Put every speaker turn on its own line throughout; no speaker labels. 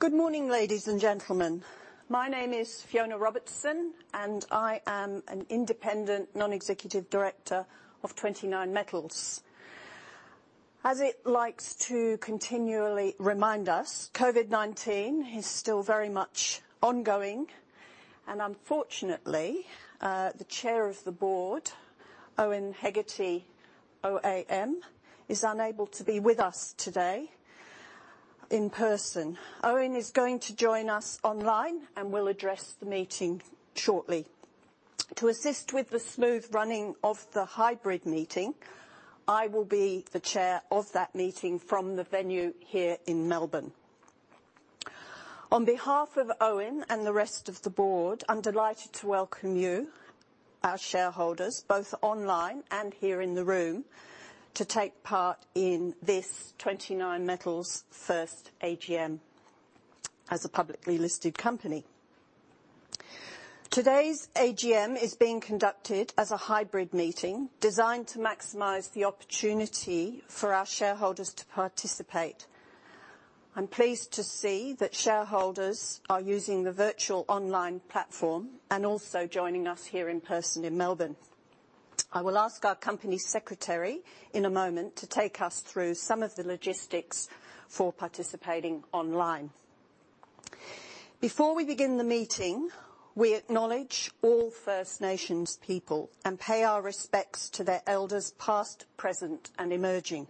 Good morning, ladies and gentlemen. My name is Fiona Robertson, and I am an independent non-executive director of 29Metals. As it likes to continually remind us, COVID-19 is still very much ongoing, and unfortunately, the chair of the board, Owen Hegarty OAM, is unable to be with us today in person. Owen is going to join us online and will address the meeting shortly. To assist with the smooth running of the hybrid meeting, I will be the chair of that meeting from the venue here in Melbourne. On behalf of Owen and the rest of the board, I'm delighted to welcome you, our shareholders, both online and here in the room, to take part in this 29Metals' first AGM as a publicly listed company. Today's AGM is being conducted as a hybrid meeting designed to maximize the opportunity for our shareholders to participate. I'm pleased to see that shareholders are using the virtual online platform and also joining us here in person in Melbourne. I will ask our company secretary in a moment to take us through some of the logistics for participating online. Before we begin the meeting, we acknowledge all First Nations people and pay our respects to their elders past, present, and emerging.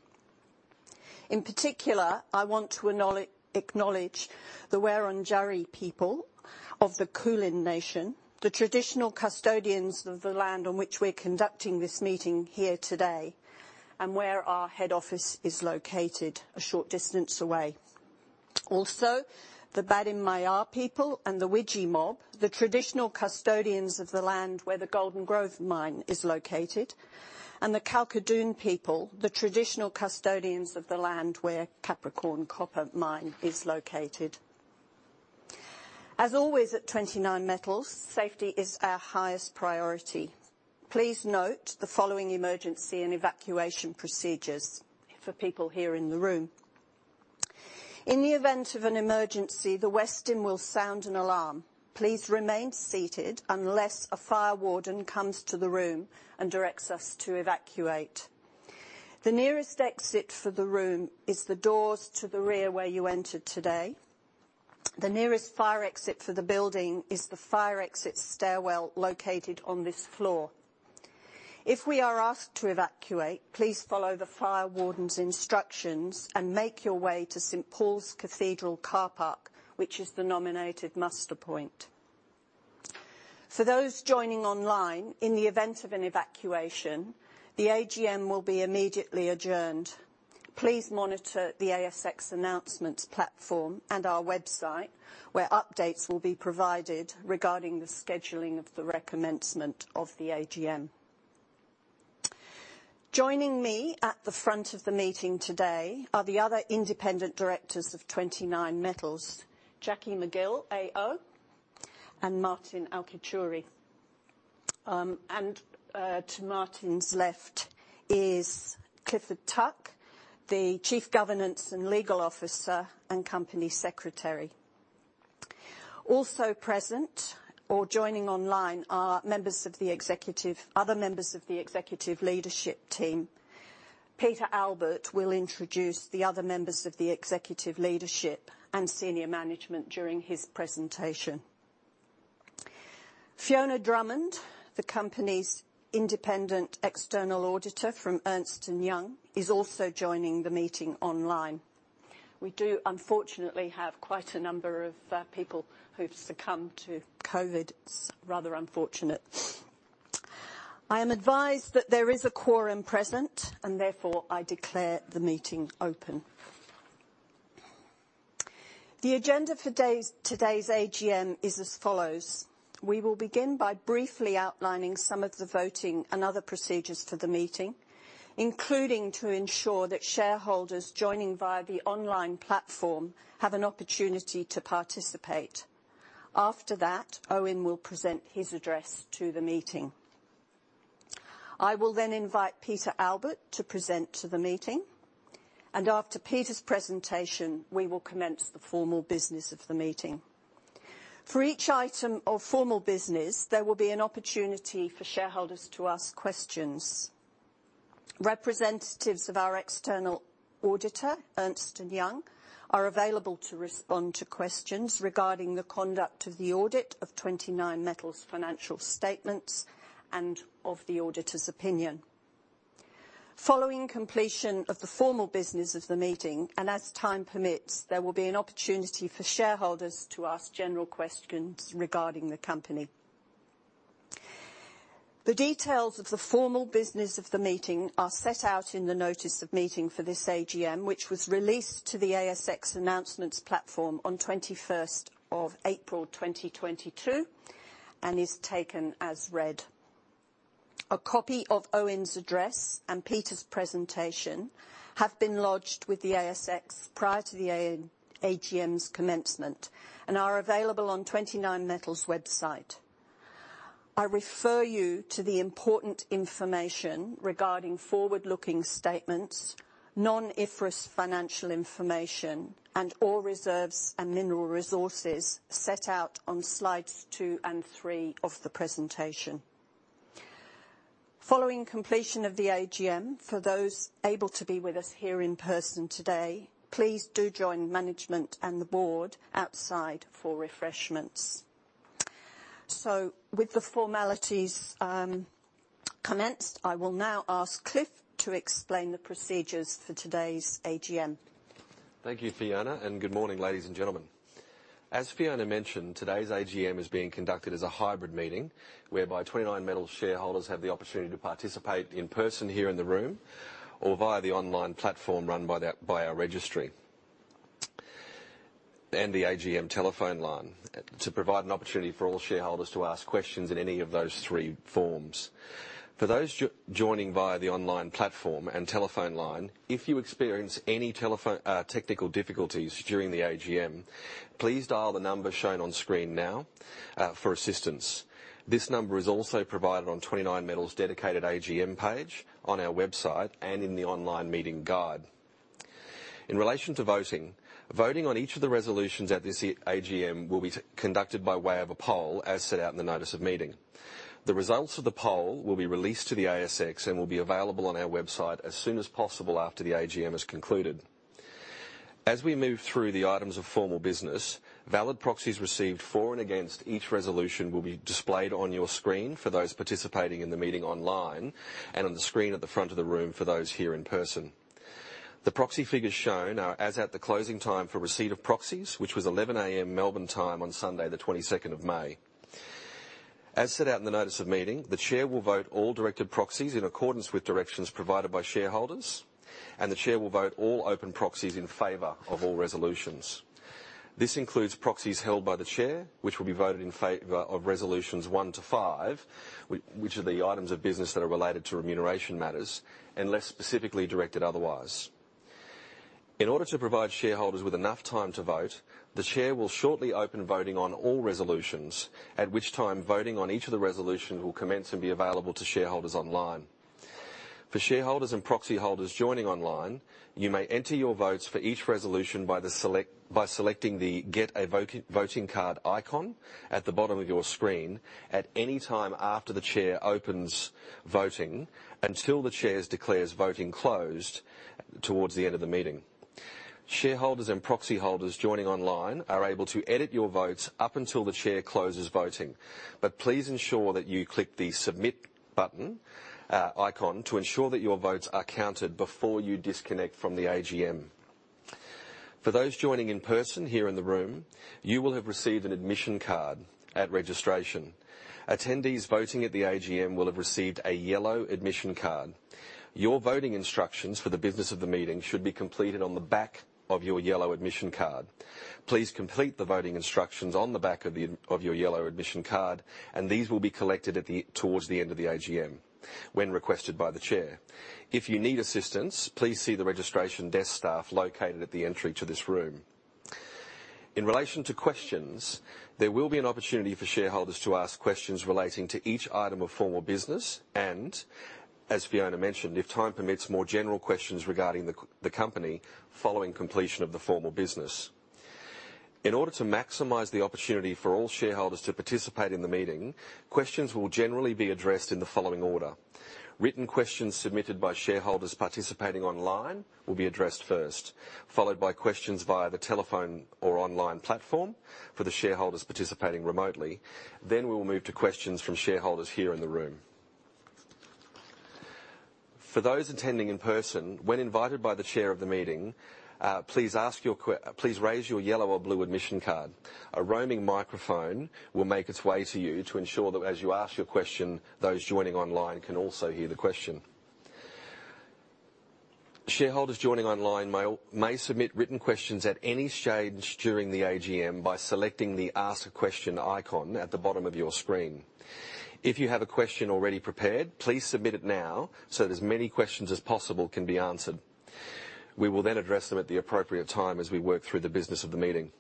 In particular, I want to acknowledge the Wurundjeri people of the Kulin nation, the traditional custodians of the land on which we're conducting this meeting here today, and where our head office is located a short distance away. Also, the Badimaya people and the Widi mob, the traditional custodians of the land where the Golden Grove Mine is located, and the Kalkadoon people, the traditional custodians of the land where Capricorn Copper Mine is located. As always, at 29Metals, safety is our highest priority. Please note the following emergency and evacuation procedures for people here in the room. In the event of an emergency, the Westin will sound an alarm. Please remain seated unless a fire warden comes to the room and directs us to evacuate. The nearest exit for the room is the doors to the rear where you entered today. The nearest fire exit for the building is the fire exit stairwell located on this floor. If we are asked to evacuate, please follow the fire warden's instructions and make your way to St. Paul's Cathedral car park, which is the nominated muster point. For those joining online, in the event of an evacuation, the AGM will be immediately adjourned. Please monitor the ASX announcements platform and our website, where updates will be provided regarding the scheduling of the recommencement of the AGM. Joining me at the front of the meeting today are the other independent directors of 29Metals, Jacqueline McGill AO and Martin Alciaturi. To Martin's left is Clifford Tuck, the Chief Governance and Legal Officer and Company Secretary. Also present or joining online are other members of the executive leadership team. Peter Albert will introduce the other members of the executive leadership and senior management during his presentation. Fiona Drummond, the company's independent external auditor from Ernst & Young, is also joining the meeting online. We do unfortunately have quite a number of people who've succumbed to COVID. It's rather unfortunate. I am advised that there is a quorum present, and therefore I declare the meeting open. The agenda for today's AGM is as follows. We will begin by briefly outlining some of the voting and other procedures for the meeting, including to ensure that shareholders joining via the online platform have an opportunity to participate. After that, Owen will present his address to the meeting. I will then invite Peter Albert to present to the meeting. After Peter's presentation, we will commence the formal business of the meeting. For each item of formal business, there will be an opportunity for shareholders to ask questions. Representatives of our external auditor, Ernst & Young, are available to respond to questions regarding the conduct of the audit of 29Metals' financial statements and of the auditor's opinion. Following completion of the formal business of the meeting, and as time permits, there will be an opportunity for shareholders to ask general questions regarding the company. The details of the formal business of the meeting are set out in the notice of meeting for this AGM, which was released to the ASX announcements platform on 21st of April, 2022 and is taken as read. A copy of Owen's address and Peter's presentation have been lodged with the ASX prior to the AGM's commencement and are available on 29Metals' website. I refer you to the important information regarding forward-looking statements, non-IFRS financial information, and ore reserves and mineral resources set out on slides two and three of the presentation. Following completion of the AGM, for those able to be with us here in person today, please do join management and the board outside for refreshments. With the formalities commenced, I will now ask Cliff to explain the procedures for today's AGM.
Thank you, Fiona, and good morning, ladies and gentlemen. As Fiona mentioned, today's AGM is being conducted as a hybrid meeting, whereby 29Metals shareholders have the opportunity to participate in person here in the room or via the online platform run by our registry and the AGM telephone line to provide an opportunity for all shareholders to ask questions in any of those three forms. For those joining via the online platform and telephone line, if you experience any technical difficulties during the AGM, please dial the number shown on screen now, for assistance. This number is also provided on 29Metals' dedicated AGM page, on our website and in the online meeting guide. In relation to voting on each of the resolutions at this AGM will be conducted by way of a poll, as set out in the notice of meeting. The results of the poll will be released to the ASX and will be available on our website as soon as possible after the AGM is concluded. As we move through the items of formal business, valid proxies received for and against each resolution will be displayed on your screen for those participating in the meeting online and on the screen at the front of the room for those here in person. The proxy figures shown are as at the closing time for receipt of proxies, which was 11:00 A.M. Melbourne time on Sunday the 22nd of May. As set out in the notice of meeting, the Chair will vote all directed proxies in accordance with directions provided by shareholders, and the Chair will vote all open proxies in favor of all resolutions. This includes proxies held by the Chair, which will be voted in favor of resolutions 1-5, which are the items of business that are related to remuneration matters, unless specifically directed otherwise. In order to provide shareholders with enough time to vote, the Chair will shortly open voting on all resolutions, at which time, voting on each of the resolutions will commence and be available to shareholders online. For shareholders and proxy holders joining online, you may enter your votes for each resolution by selecting the Get a voting card icon at the bottom of your screen at any time after the Chair opens voting until the Chair declares voting closed towards the end of the meeting. Shareholders and proxy holders joining online are able to edit your votes up until the Chair closes voting, but please ensure that you click the Submit button, icon, to ensure that your votes are counted before you disconnect from the AGM. For those joining in person here in the room, you will have received an admission card at registration. Attendees voting at the AGM will have received a yellow admission card. Your voting instructions for the business of the meeting should be completed on the back of your yellow admission card. Please complete the voting instructions on the back of of your yellow admission card, and these will be collected towards the end of the AGM when requested by the Chair. If you need assistance, please see the registration desk staff located at the entry to this room. In relation to questions, there will be an opportunity for shareholders to ask questions relating to each item of formal business and, as Fiona mentioned, if time permits, more general questions regarding the company following completion of the formal business. In order to maximize the opportunity for all shareholders to participate in the meeting, questions will generally be addressed in the following order. Written questions submitted by shareholders participating online will be addressed first, followed by questions via the telephone or online platform for the shareholders participating remotely. Then we will move to questions from shareholders here in the room. For those attending in person, when invited by the Chair of the meeting, please raise your yellow or blue admission card. A roaming microphone will make its way to you to ensure that as you ask your question, those joining online can also hear the question. Shareholders joining online may submit written questions at any stage during the AGM by selecting the Ask a Question icon at the bottom of your screen. If you have a question already prepared, please submit it now so that as many questions as possible can be answered. We will then address them at the appropriate time as we work through the business of the meeting.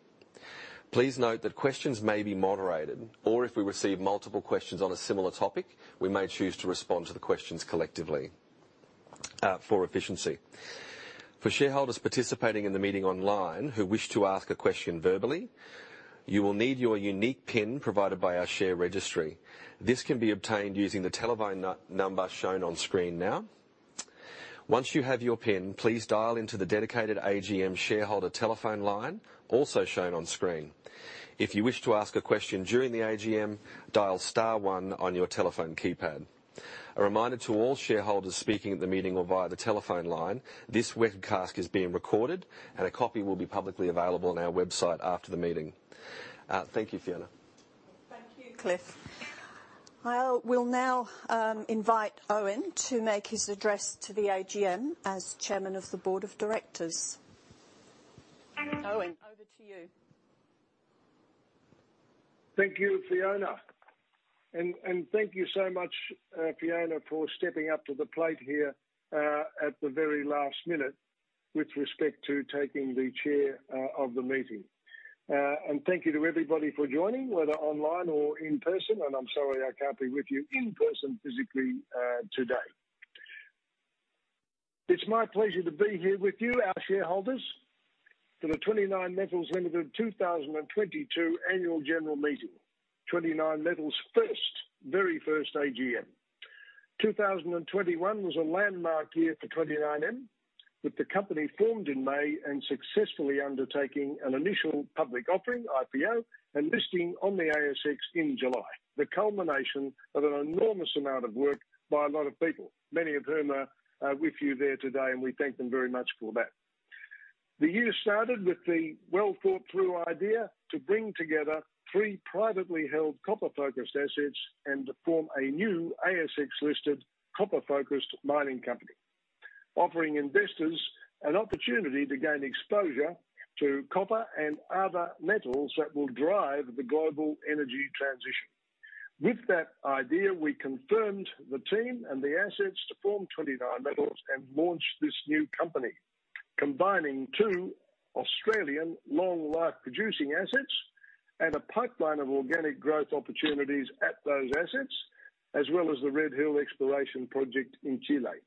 Please note that questions may be moderated or if we receive multiple questions on a similar topic, we may choose to respond to the questions collectively, for efficiency. For shareholders participating in the meeting online who wish to ask a question verbally, you will need your unique PIN provided by our share registry. This can be obtained using the telephone number shown on screen now. Once you have your PIN, please dial into the dedicated AGM shareholder telephone line, also shown on screen. If you wish to ask a question during the AGM, dial star one on your telephone keypad. A reminder to all shareholders speaking at the meeting or via the telephone line, this webcast is being recorded and a copy will be publicly available on our website after the meeting. Thank you, Fiona.
Thank you, Cliff. I'll now invite Owen to make his address to the AGM as Chairman of the Board of Directors. Owen, over to you.
Thank you, Fiona. Thank you so much, Fiona, for stepping up to the plate here at the very last minute. With respect to taking the chair of the meeting. Thank you to everybody for joining, whether online or in person, and I'm sorry I can't be with you in person physically today. It's my pleasure to be here with you, our shareholders, for the 29Metals Limited 2022 Annual General Meeting. 29Metals' first, very first AGM. 2021 was a landmark year for 29M, with the company formed in May and successfully undertaking an initial public offering, IPO, and listing on the ASX in July. The culmination of an enormous amount of work by a lot of people, many of whom are with you there today, and we thank them very much for that. The year started with the well-thought-through idea to bring together three privately held copper-focused assets and to form a new ASX-listed copper-focused mining company. Offering investors an opportunity to gain exposure to copper and other metals that will drive the global energy transition. With that idea, we confirmed the team and the assets to form 29Metals and launch this new company. Combining two Australian long-life producing assets and a pipeline of organic growth opportunities at those assets, as well as the Red Hill Exploration Project in Chile.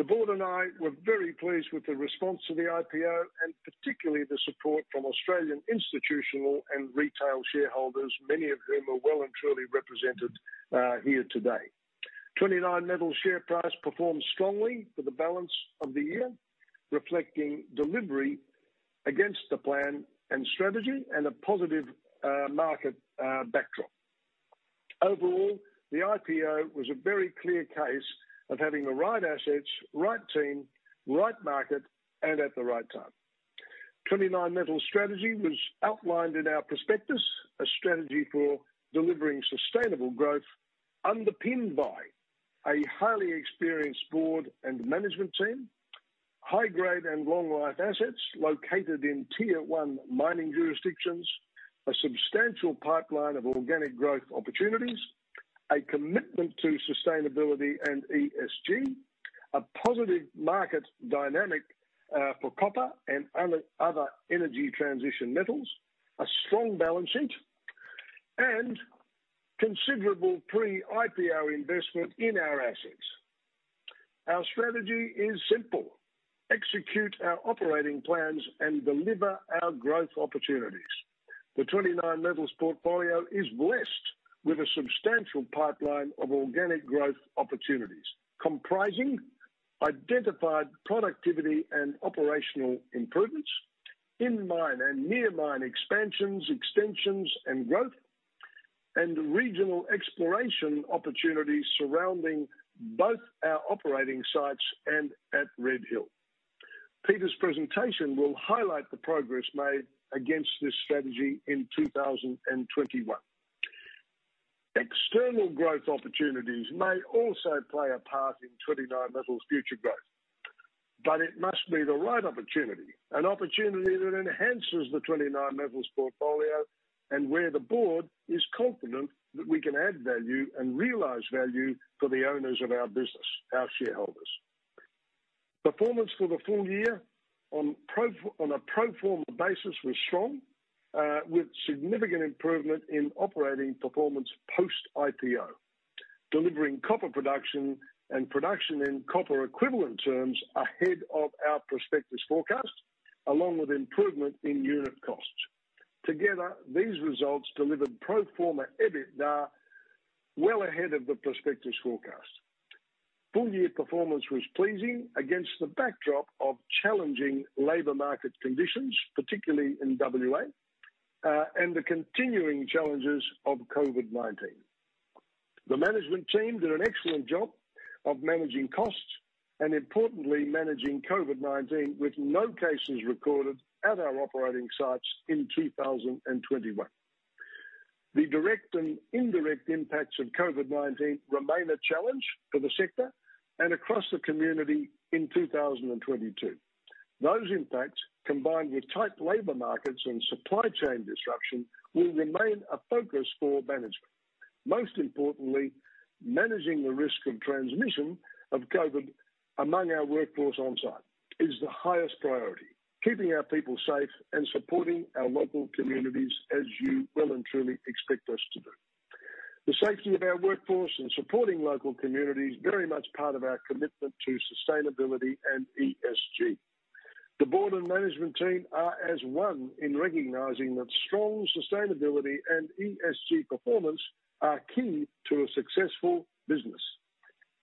The board and I were very pleased with the response to the IPO and particularly the support from Australian institutional and retail shareholders, many of whom are well and truly represented here today. 29Metals share price performed strongly for the balance of the year, reflecting delivery against the plan and strategy and a positive market backdrop. Overall, the IPO was a very clear case of having the right assets, right team, right market, and at the right time. 29Metals strategy was outlined in our prospectus, a strategy for delivering sustainable growth underpinned by a highly experienced board and management team. High grade and long life assets located in tier one mining jurisdictions. A substantial pipeline of organic growth opportunities. A commitment to sustainability and ESG. A positive market dynamic for copper and other energy transition metals. A strong balance sheet and considerable pre-IPO investment in our assets. Our strategy is simple. Execute our operating plans and deliver our growth opportunities. The 29Metals portfolio is blessed with a substantial pipeline of organic growth opportunities. Comprising identified productivity and operational improvements, in mine and near mine expansions, extensions and growth. Regional exploration opportunities surrounding both our operating sites and at Red Hill. Peter's presentation will highlight the progress made against this strategy in 2021. External growth opportunities may also play a part in 29Metals' future growth. It must be the right opportunity, an opportunity that enhances the 29Metals portfolio and where the board is confident that we can add value and realize value for the owners of our business, our shareholders. Performance for the full year on a pro forma basis was strong, with significant improvement in operating performance post-IPO. Delivering copper production and production in copper equivalent terms ahead of our prospectus forecast, along with improvement in unit costs. Together, these results delivered pro forma EBITDA well ahead of the prospectus forecast. Full-year performance was pleasing against the backdrop of challenging labor market conditions, particularly in WA, and the continuing challenges of COVID-19. The management team did an excellent job of managing costs and importantly managing COVID-19 with no cases recorded at our operating sites in 2021. The direct and indirect impacts of COVID-19 remain a challenge for the sector and across the community in 2022. Those impacts, combined with tight labor markets and supply chain disruption, will remain a focus for management. Most importantly, managing the risk of transmission of COVID among our workforce on-site is the highest priority. Keeping our people safe and supporting our local communities as you well and truly expect us to do. The safety of our workforce and supporting local community is very much part of our commitment to sustainability and ESG. The board and management team are as one in recognizing that strong sustainability and ESG performance are key to a successful business.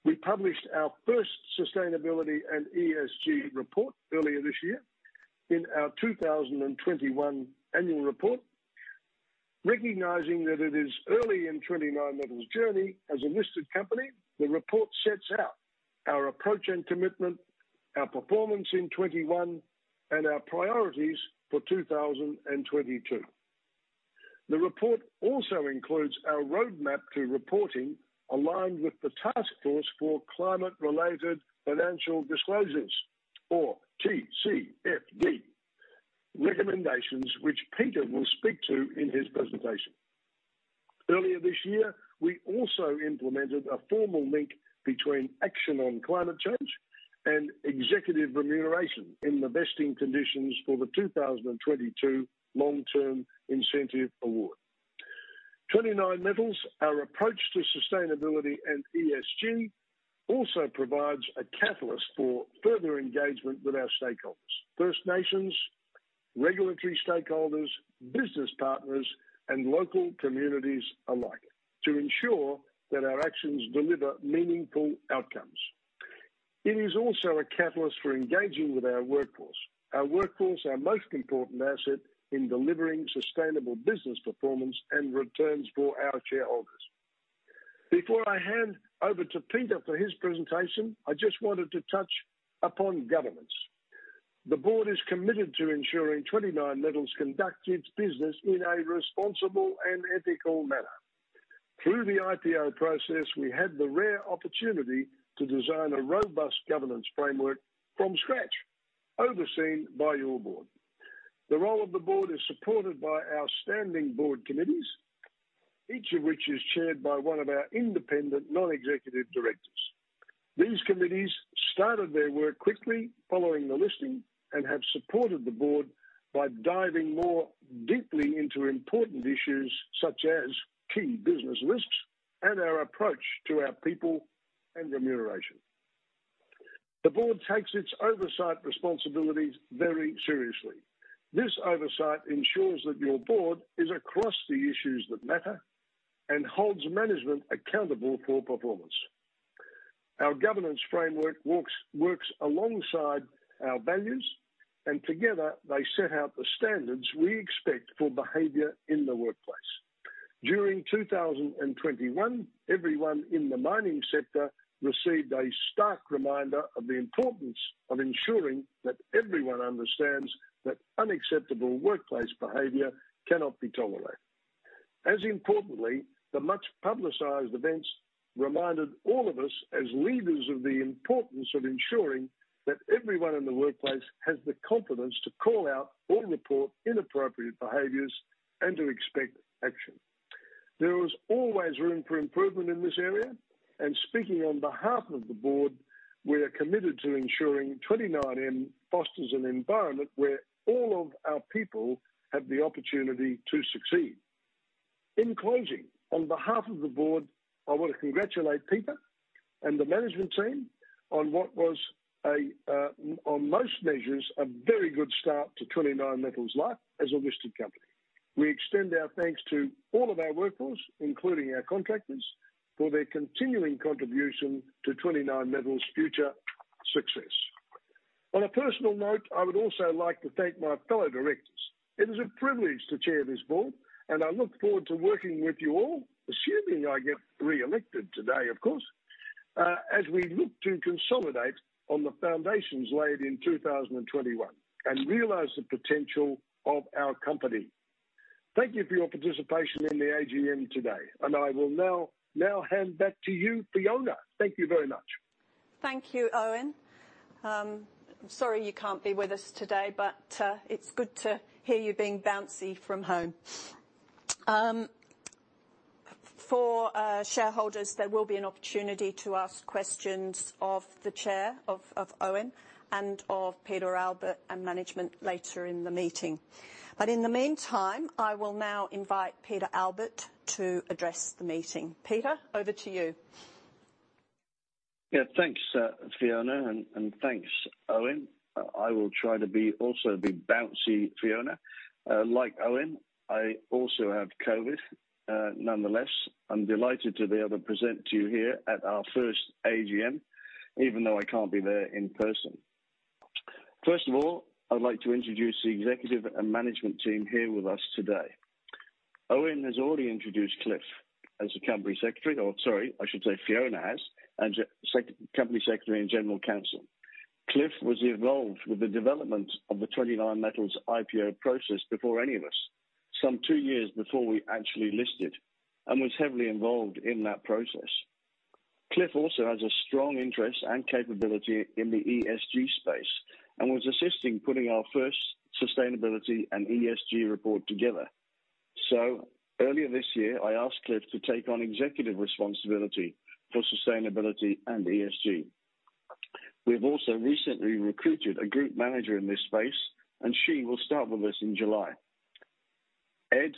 We published our first sustainability and ESG report earlier this year in our 2021 annual report. Recognizing that it is early in 29Metals' journey as a listed company, the report sets out our approach and commitment, our performance in 2021, and our priorities for 2022. The report also includes our roadmap to reporting aligned with the Task Force on Climate-related Financial Disclosures, or TCFD. Recommendations which Peter will speak to in his presentation. Earlier this year, we also implemented a formal link between action on climate change and executive remuneration in the vesting conditions for the 2022 long-term incentive award. At 29Metals, our approach to sustainability and ESG also provides a catalyst for further engagement with our stakeholders. First Nations, regulatory stakeholders, business partners, and local communities alike to ensure that our actions deliver meaningful outcomes. It is also a catalyst for engaging with our workforce. Our workforce, our most important asset in delivering sustainable business performance and returns for our shareholders. Before I hand over to Peter for his presentation, I just wanted to touch upon governance. The board is committed to ensuring 29Metals conduct its business in a responsible and ethical manner. Through the IPO process, we had the rare opportunity to design a robust governance framework from scratch, overseen by your board. The role of the board is supported by our standing board committees, each of which is chaired by one of our independent non-executive directors. These committees started their work quickly following the listing and have supported the board by diving more deeply into important issues, such as key business risks and our approach to our people and remuneration. The board takes its oversight responsibilities very seriously. This oversight ensures that your board is across the issues that matter and holds management accountable for performance. Our governance framework works alongside our values, and together they set out the standards we expect for behavior in the workplace. During 2021, everyone in the mining sector received a stark reminder of the importance of ensuring that everyone understands that unacceptable workplace behavior cannot be tolerated. As importantly, the much-publicized events reminded all of us, as leaders, of the importance of ensuring that everyone in the workplace has the confidence to call out or report inappropriate behaviors and to expect action. There is always room for improvement in this area, and speaking on behalf of the board, we are committed to ensuring 29M fosters an environment where all of our people have the opportunity to succeed. In closing, on behalf of the board, I want to congratulate Peter and the management team on what was, on most measures, a very good start to 29Metals life as a listed company. We extend our thanks to all of our workforce, including our contractors, for their continuing contribution to 29Metals' future success. On a personal note, I would also like to thank my fellow directors. It is a privilege to chair this board, and I look forward to working with you all, assuming I get reelected today, of course, as we look to consolidate on the foundations laid in 2021 and realize the potential of our company. Thank you for your participation in the AGM today, and I will now hand back to you, Fiona. Thank you very much.
Thank you, Owen. Sorry you can't be with us today, but it's good to hear you being bouncy from home. For shareholders, there will be an opportunity to ask questions of the chair, of Owen and of Peter Albert and management later in the meeting. In the meantime, I will now invite Peter Albert to address the meeting. Peter, over to you.
Yeah. Thanks, Fiona, and thanks, Owen. I will try to be bouncy, Fiona. Like Owen, I also have COVID. Nonetheless, I'm delighted to be able to present to you here at our first AGM, even though I can't be there in person. First of all, I'd like to introduce the executive and management team here with us today. Owen has already introduced Cliff as the company secretary. Oh, sorry, I should say Fiona has. Company secretary and general counsel. Cliff was involved with the development of the 29Metals IPO process before any of us, some two years before we actually listed, and was heavily involved in that process. Cliff also has a strong interest and capability in the ESG space and was assisting putting our first sustainability and ESG report together. Earlier this year, I asked Cliff to take on executive responsibility for sustainability and ESG. We have also recently recruited a group manager in this space, and she will start with us in July. Ed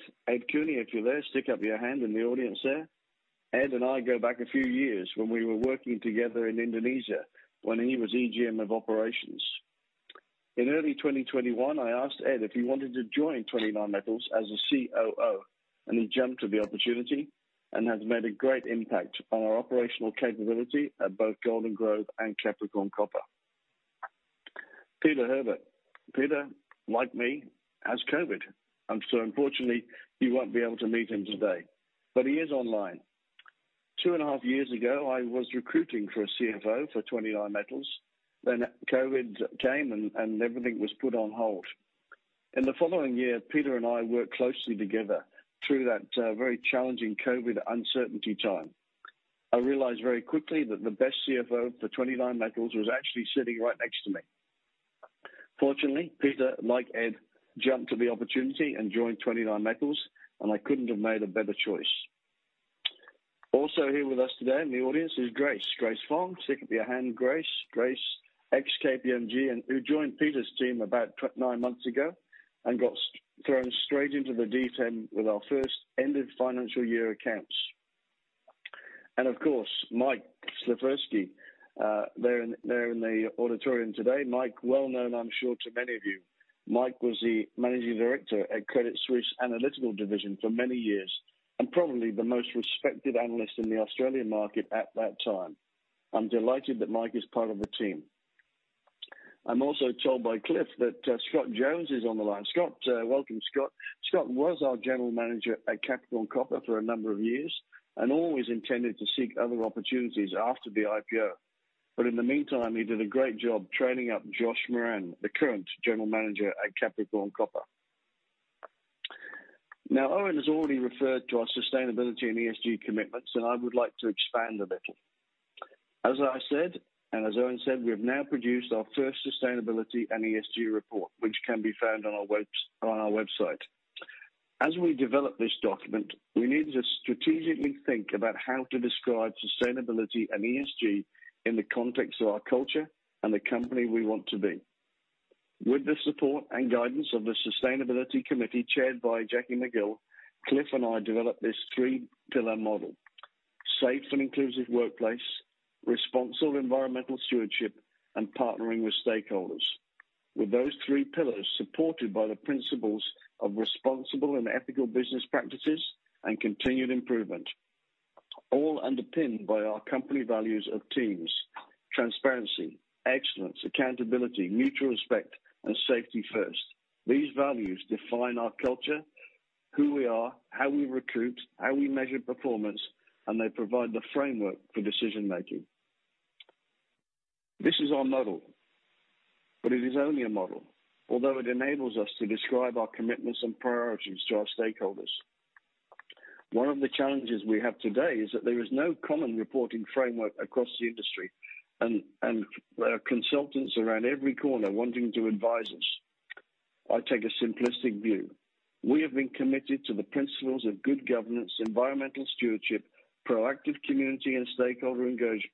Cooney, if you're there, stick up your hand in the audience there. Ed and I go back a few years when we were working together in Indonesia when he was EGM of operations. In early 2021, I asked Ed if he wanted to join 29Metals as a COO, and he jumped at the opportunity and has made a great impact on our operational capability at both Golden Grove and Capricorn Copper. Peter Herbert. Peter, like me, has COVID, and so unfortunately, you won't be able to meet him today, but he is online. 2.5 years ago, I was recruiting for a CFO for 29Metals. COVID came, and everything was put on hold. In the following year, Peter and I worked closely together through that, very challenging COVID uncertainty time. I realized very quickly that the best CFO for 29Metals was actually sitting right next to me. Fortunately, Peter, like Ed, jumped at the opportunity and joined 29Metals, and I couldn't have made a better choice. Also here with us today in the audience is Grace. Grace Fong. Stick up your hand, Grace. Grace, ex-KPMG and who joined Peter's team about nine months ago and got thrown straight into the deep end with our first end of financial year accounts. Of course, Mike Slifirski there in the auditorium today. Mike, well known, I'm sure, to many of you. Mike was the managing director at Credit Suisse Analytical Division for many years, and probably the most respected analyst in the Australian market at that time. I'm delighted that Mike is part of the team. I'm also told by Cliff that Scott Jones is on the line. Scott, welcome, Scott. Scott was our general manager at Capricorn Copper for a number of years and always intended to seek other opportunities after the IPO. In the meantime, he did a great job training up Josh Moran, the current general manager at Capricorn Copper. Now, Owen has already referred to our sustainability and ESG commitments, and I would like to expand a bit. As I said, and as Owen said, we have now produced our first sustainability and ESG report, which can be found on our website. As we develop this document, we need to strategically think about how to describe sustainability and ESG in the context of our culture and the company we want to be. With the support and guidance of the sustainability committee chaired by Jacqueline McGill, Cliff and I developed this three pillar model, safe and inclusive workplace, responsible environmental stewardship, and partnering with stakeholders. With those three pillars supported by the principles of responsible and ethical business practices and continued improvement, all underpinned by our company values of teams, transparency, excellence, accountability, mutual respect, and safety first. These values define our culture, who we are, how we recruit, how we measure performance, and they provide the framework for decision-making. This is our model, but it is only a model, although it enables us to describe our commitments and priorities to our stakeholders. One of the challenges we have today is that there is no common reporting framework across the industry and there are consultants around every corner wanting to advise us. I take a simplistic view. We have been committed to the principles of good governance, environmental stewardship, proactive community and stakeholder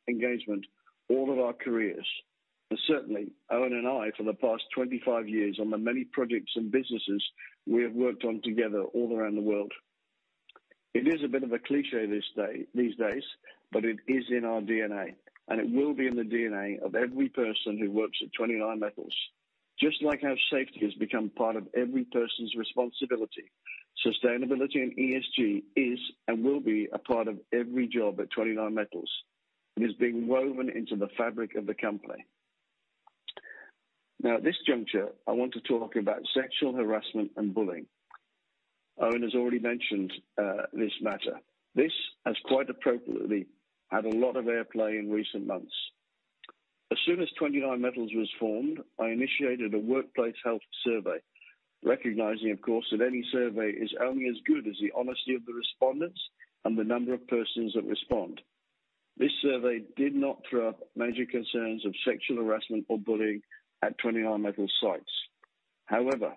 engagement, all of our careers, and certainly Owen and I for the past 25 years on the many projects and businesses we have worked on together all around the world. It is a bit of a cliché these days, but it is in our DNA, and it will be in the DNA of every person who works at 29Metals. Just like how safety has become part of every person's responsibility, sustainability and ESG is and will be a part of every job at 29Metals. It is being woven into the fabric of the company. Now, at this juncture, I want to talk about sexual harassment and bullying. Owen has already mentioned this matter. This has quite appropriately had a lot of airplay in recent months. As soon as 29Metals was formed, I initiated a workplace health survey, recognizing, of course, that any survey is only as good as the honesty of the respondents and the number of persons that respond. This survey did not throw up major concerns of sexual harassment or bullying at 29Metals sites. However,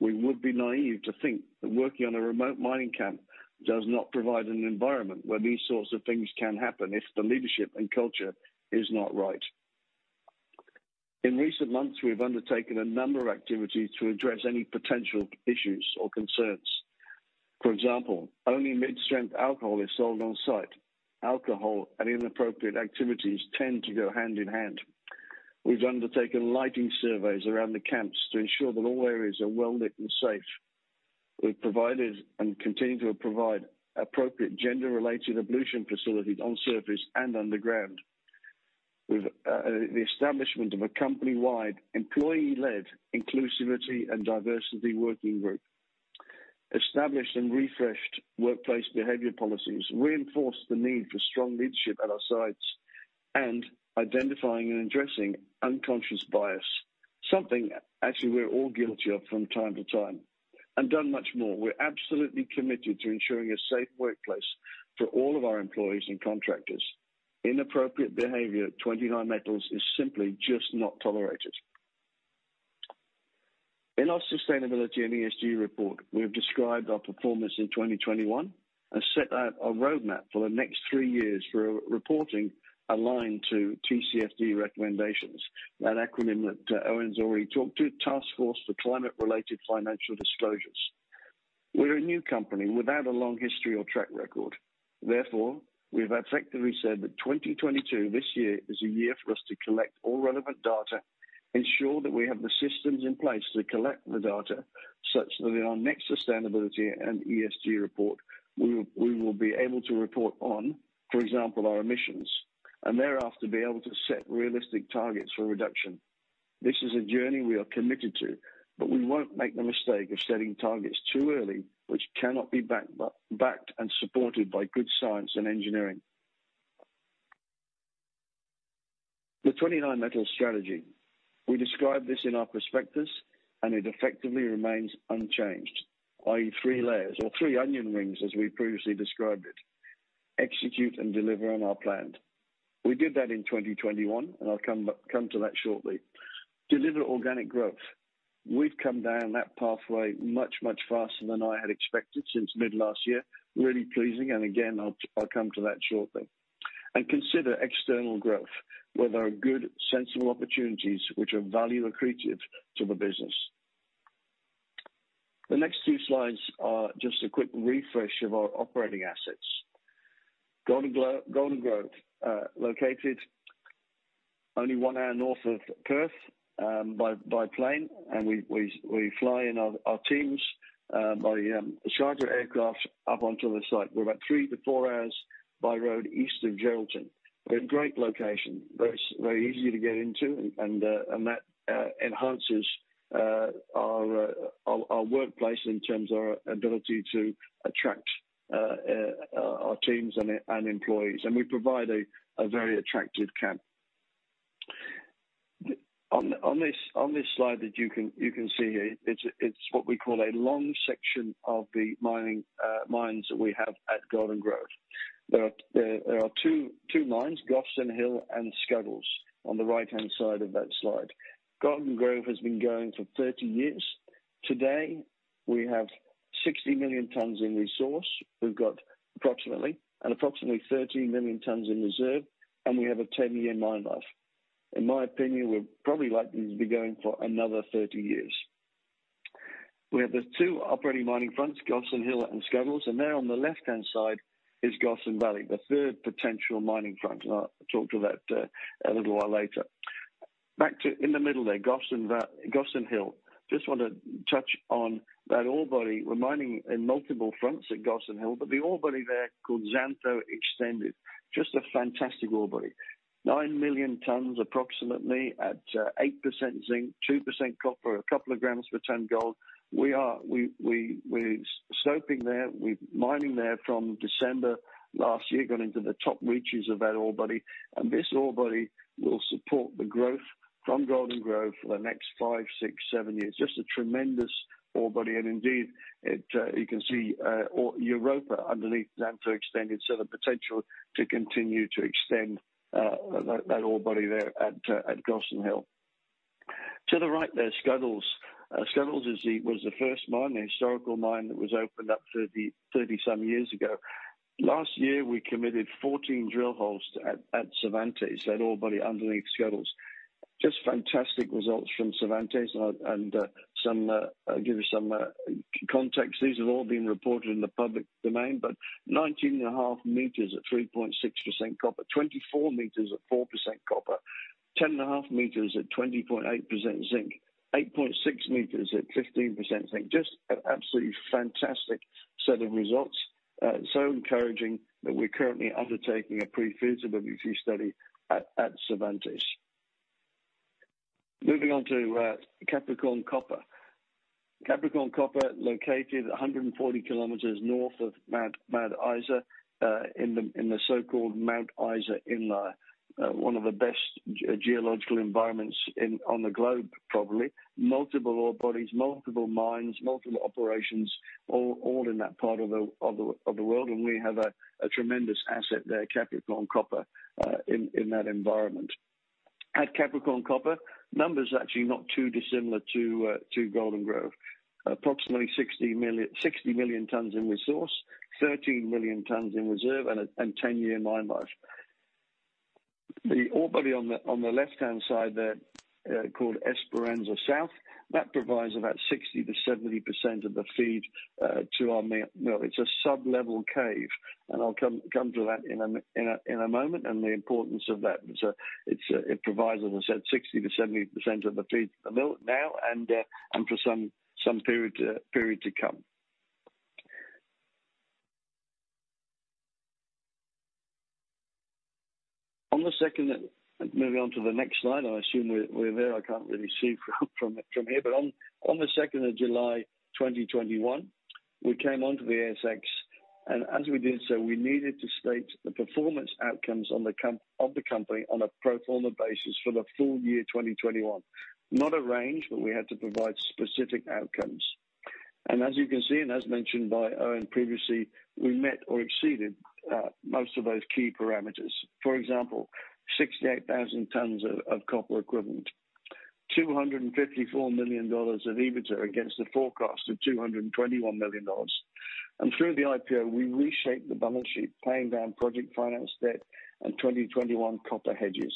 we would be naive to think that working on a remote mining camp does not provide an environment where these sorts of things can happen if the leadership and culture is not right. In recent months, we've undertaken a number of activities to address any potential issues or concerns. For example, only mid-strength alcohol is sold on-site. Alcohol and inappropriate activities tend to go hand-in-hand. We've undertaken lighting surveys around the camps to ensure that all areas are well lit and safe. We've provided and continue to provide appropriate gender-related ablution facilities on surface and underground. We've the establishment of a company-wide employee-led inclusivity and diversity working group. Established and refreshed workplace behavior policies reinforce the need for strong leadership at our sites and identifying and addressing unconscious bias, something actually we're all guilty of from time to time. Done much more. We're absolutely committed to ensuring a safe workplace for all of our employees and contractors. Inappropriate behavior at 29Metals is simply just not tolerated. In our sustainability and ESG report, we have described our performance in 2021 and set out a roadmap for the next three years for a reporting aligned to TCFD recommendations. That acronym that Owen's already talked to, Task Force on Climate-related Financial Disclosures. We're a new company without a long history or track record. Therefore, we've effectively said that 2022, this year, is a year for us to collect all relevant data, ensure that we have the systems in place to collect the data such that in our next sustainability and ESG report, we will be able to report on, for example, our emissions, and thereafter be able to set realistic targets for reduction. This is a journey we are committed to, but we won't make the mistake of setting targets too early, which cannot be backed and supported by good science and engineering. The 29Metals strategy. We describe this in our prospectus and it effectively remains unchanged, i.e., three layers or three onion rings as we previously described it. Execute and deliver on our plan. We did that in 2021, and I'll come to that shortly. Deliver organic growth. We've come down that pathway much, much faster than I had expected since mid last year. Really pleasing, and again, I'll come to that shortly. Consider external growth where there are good, sensible opportunities which are value accretive to the business. The next two slides are just a quick refresh of our operating assets. Golden Grove, located only one hour north of Perth, by plane, and we fly in our teams by charter aircraft up onto the site. We're about 3-4 hours by road east of Geraldton. We have great location. Very, very easy to get into, and that enhances our workplace in terms of our ability to attract our teams and employees. We provide a very attractive camp. On this slide that you can see here, it's what we call a long section of the mines that we have at Golden Grove. There are two mines, Gossan Hill and Scuddles on the right-hand side of that slide. Golden Grove has been going for 30 years. Today, we have 60 million tons in resource. We've got approximately 13 million tons in reserve, and we have a 10-year mine life. In my opinion, we're probably likely to be going for another 30 years. We have the two operating mining fronts, Gossan Hill and Scuddles, and there on the left-hand side is Gossan Valley, the third potential mining front, and I'll talk to that a little while later. Back in the middle there, Gossan Hill. Just want to touch on that ore body. We're mining in multiple fronts at Gossan Hill. The ore body there called Xantho Extended, just a fantastic ore body. 9 million tons approximately at 8% zinc, 2% copper, a couple of grams per ton gold. We're scoping there. We're mining there from December last year, going into the top reaches of that ore body. This ore body will support the growth from Golden Grove for the next five, six, seven years. Just a tremendous ore body. Indeed, it, you can see Europa underneath Xantho Extended, so the potential to continue to extend that ore body there at Gossan Hill. To the right there, Scuddles. Scuddles was the first mine, the historical mine that was opened up 30-some years ago. Last year, we committed 14 drill holes at Cervantes ore body underneath Scuddles. Just fantastic results from Cervantes. I'll give you some context. These have all been reported in the public domain, but 19.5 m at 3.6% copper, 24 m at 4% copper, 10.5 m at 20.8% zinc, 8.6 m at 15% zinc. Just an absolutely fantastic set of results. Encouraging that we're currently undertaking a pre-feasibility study at Cervantes. Moving on to Capricorn Copper. Capricorn Copper located 140 km north of Mount Isa in the so-called Mount Isa Inlier. One of the best geological environments on the globe, probably. Multiple ore bodies, multiple mines, multiple operations, all in that part of the world. We have a tremendous asset there, Capricorn Copper, in that environment. At Capricorn Copper, numbers are actually not too dissimilar to Golden Grove. Approximately 60 million tons in resource, 13 million tons in reserve and a 10-year mine life. The ore body on the left-hand side there, called Esperanza South, that provides about 60%-70% of the feed to our mill. It's a sub-level caving, and I'll come to that in a moment and the importance of that. It provides, as I said, 60%-70% of the feed to the mill now and for some period to come. Moving on to the next slide. I assume we're there. I can't really see from here. On the second of July 2021, we came onto the ASX, and as we did so, we needed to state the performance outcomes on the company on a pro forma basis for the full year 2021. Not a range, but we had to provide specific outcomes. As you can see, and as mentioned by Owen previously, we met or exceeded most of those key parameters. For example, 68,000 tons of copper equivalent, 254 million dollars of EBITDA against the forecast of 221 million dollars. Through the IPO, we reshaped the balance sheet, paying down project finance debt and 2021 copper hedges.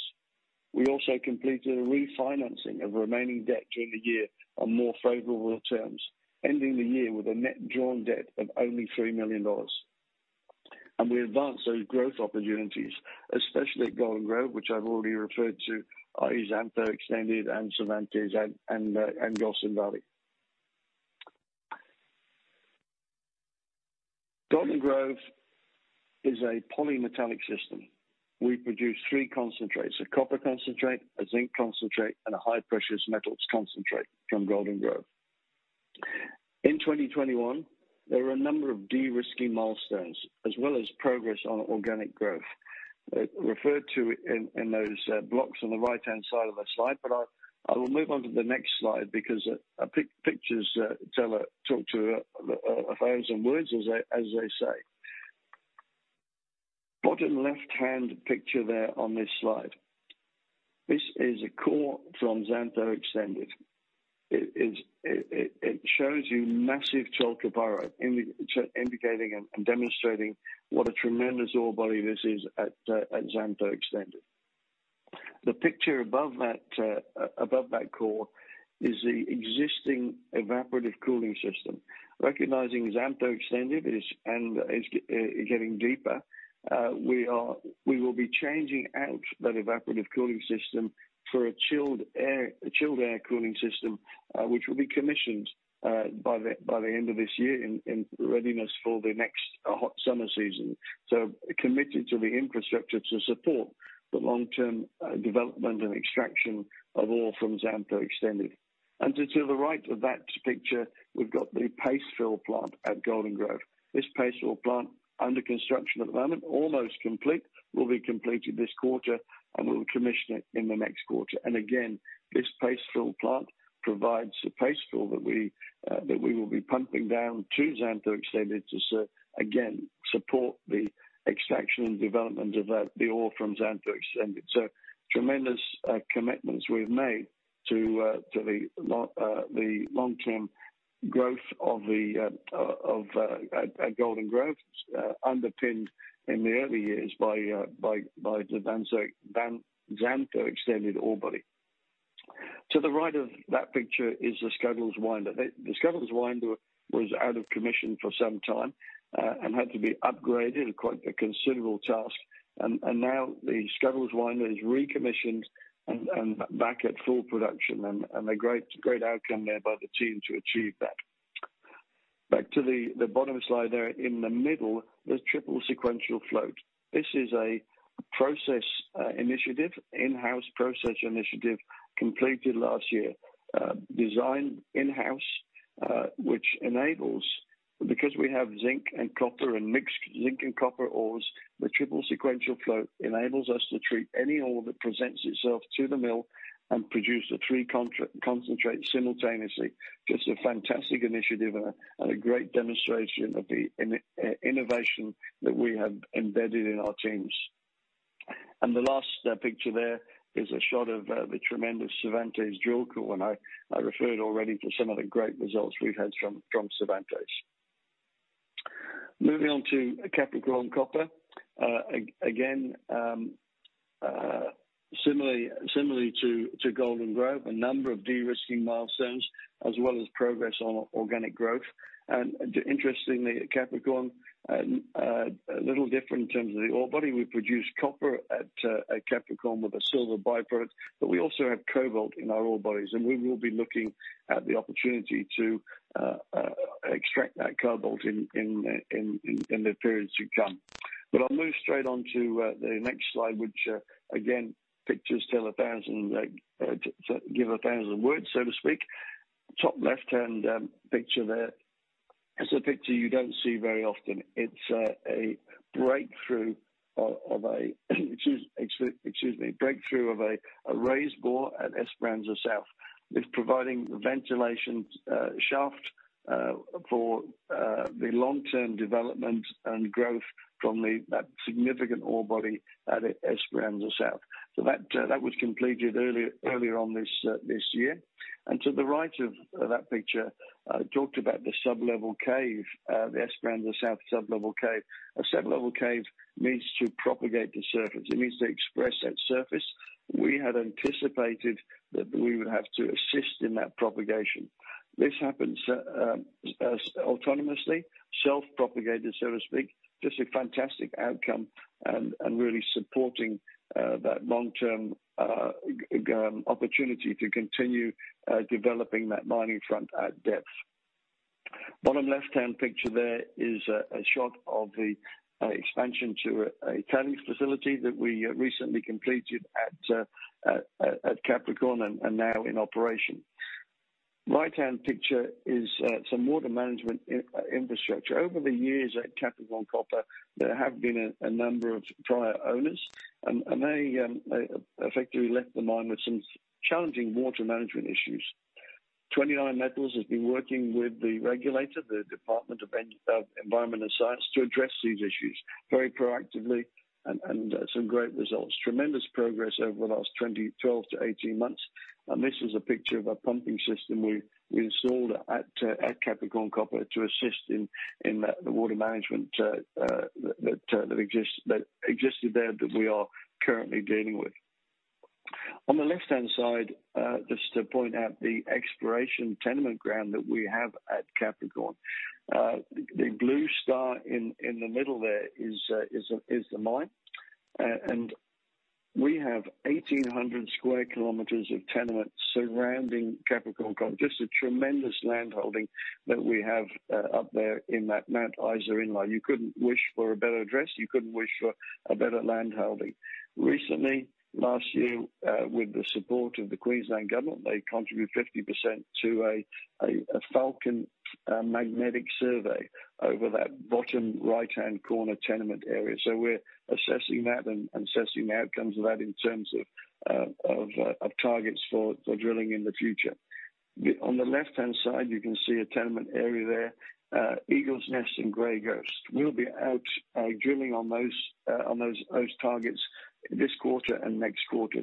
We also completed a refinancing of remaining debt during the year on more favorable terms, ending the year with a net drawn debt of only $3 million. We advanced those growth opportunities, especially at Golden Grove, which I've already referred to, i.e., Xantho Extended and Cervantes and Gossan Valley. Golden Grove is a polymetallic system. We produce three concentrates: a copper concentrate, a zinc concentrate, and a high precious metals concentrate from Golden Grove. In 2021, there were a number of de-risking milestones as well as progress on organic growth, referred to in those blocks on the right-hand side of the slide. I will move on to the next slide because pictures tell a thousand words as they say. Bottom left-hand picture there on this slide. This is a core from Xantho Extended. It shows you massive chalcopyrite indicating and demonstrating what a tremendous ore body this is at Xantho Extended. The picture above that core is the existing evaporative cooling system. Recognizing Xantho Extended is getting deeper, we will be changing out that evaporative cooling system for a chilled air cooling system, which will be commissioned by the end of this year in readiness for the next hot summer season. Committed to the infrastructure to support the long-term development and extraction of ore from Xantho Extended. To the right of that picture, we've got the paste fill plant at Golden Grove. This paste fill plant, under construction at the moment, almost complete, will be completed this quarter, and we'll commission it in the next quarter. Again, this paste fill plant provides the paste fill that we will be pumping down to Xantho Extended to support the extraction and development of that, the ore from Xantho Extended. Tremendous commitments we've made to the long-term growth of at Golden Grove, underpinned in the early years by the Xantho Extended ore body. To the right of that picture is the Scuddles winder. The Scuddles winder was out of commission for some time and had to be upgraded, quite a considerable task. Now the Scuddles winder is recommissioned and back at full production and a great outcome there by the team to achieve that. Back to the bottom slide there. In the middle, there's triple sequential float. This is a process initiative, in-house process initiative completed last year. Designed in-house, which enables, because we have zinc and copper and mixed zinc and copper ores, the triple sequential float enables us to treat any ore that presents itself to the mill and produce the three concentrates simultaneously. Just a fantastic initiative and a great demonstration of the innovation that we have embedded in our teams. The last picture there is a shot of the tremendous Cervantes drill core, and I referred already to some of the great results we've had from Cervantes. Moving on to Capricorn Copper. Again, similarly to Golden Grove, a number of de-risking milestones as well as progress on organic growth. Interestingly, at Capricorn, a little different in terms of the ore body. We produce copper at Capricorn with a silver by-product, but we also have cobalt in our ore bodies, and we will be looking at the opportunity to extract that cobalt in the periods to come. I'll move straight on to the next slide, which again pictures tell a thousand words, so to speak. Top left-hand picture there is a picture you don't see very often. It's a breakthrough of a raised bore at Esperanza South. It's providing ventilation shaft for the long-term development and growth from that significant ore body at Esperanza South. That was completed earlier this year. To the right of that picture talked about the sub-level caving, the Esperanza South sub-level caving. A sub-level caving needs to propagate to surface. It needs to express that surface. We had anticipated that we would have to assist in that propagation. This happens self-propagated, so to speak. Just a fantastic outcome and really supporting that long-term opportunity to continue developing that mining front at depth. Bottom left-hand picture there is a shot of the expansion to a tailings facility that we recently completed at Capricorn and now in operation. Right-hand picture is some water management infrastructure. Over the years at Capricorn Copper, there have been a number of prior owners and they effectively left the mine with some challenging water management issues. 29Metals has been working with the regulator, the Department of Environment and Science, to address these issues very proactively and at some great results. Tremendous progress over the last 12-18 months. This is a picture of a pumping system we installed at Capricorn Copper to assist in the water management that existed there that we are currently dealing with. On the left-hand side, just to point out the exploration tenement ground that we have at Capricorn. The blue star in the middle there is the mine. We have 1,800 sq km of tenement surrounding Capricorn Copper. Just a tremendous land holding that we have up there in that Mount Isa Inlier. You couldn't wish for a better address. You couldn't wish for a better land holding. Recently, last year, with the support of the Queensland Government, they contribute 50% to a Falcon magnetic survey over that bottom right-hand corner tenement area. We're assessing that and assessing the outcomes of that in terms of targets for drilling in the future. On the left-hand side, you can see a tenement area there, Eagles' Nest and Grey Ghost. We'll be out drilling on those targets this quarter and next quarter.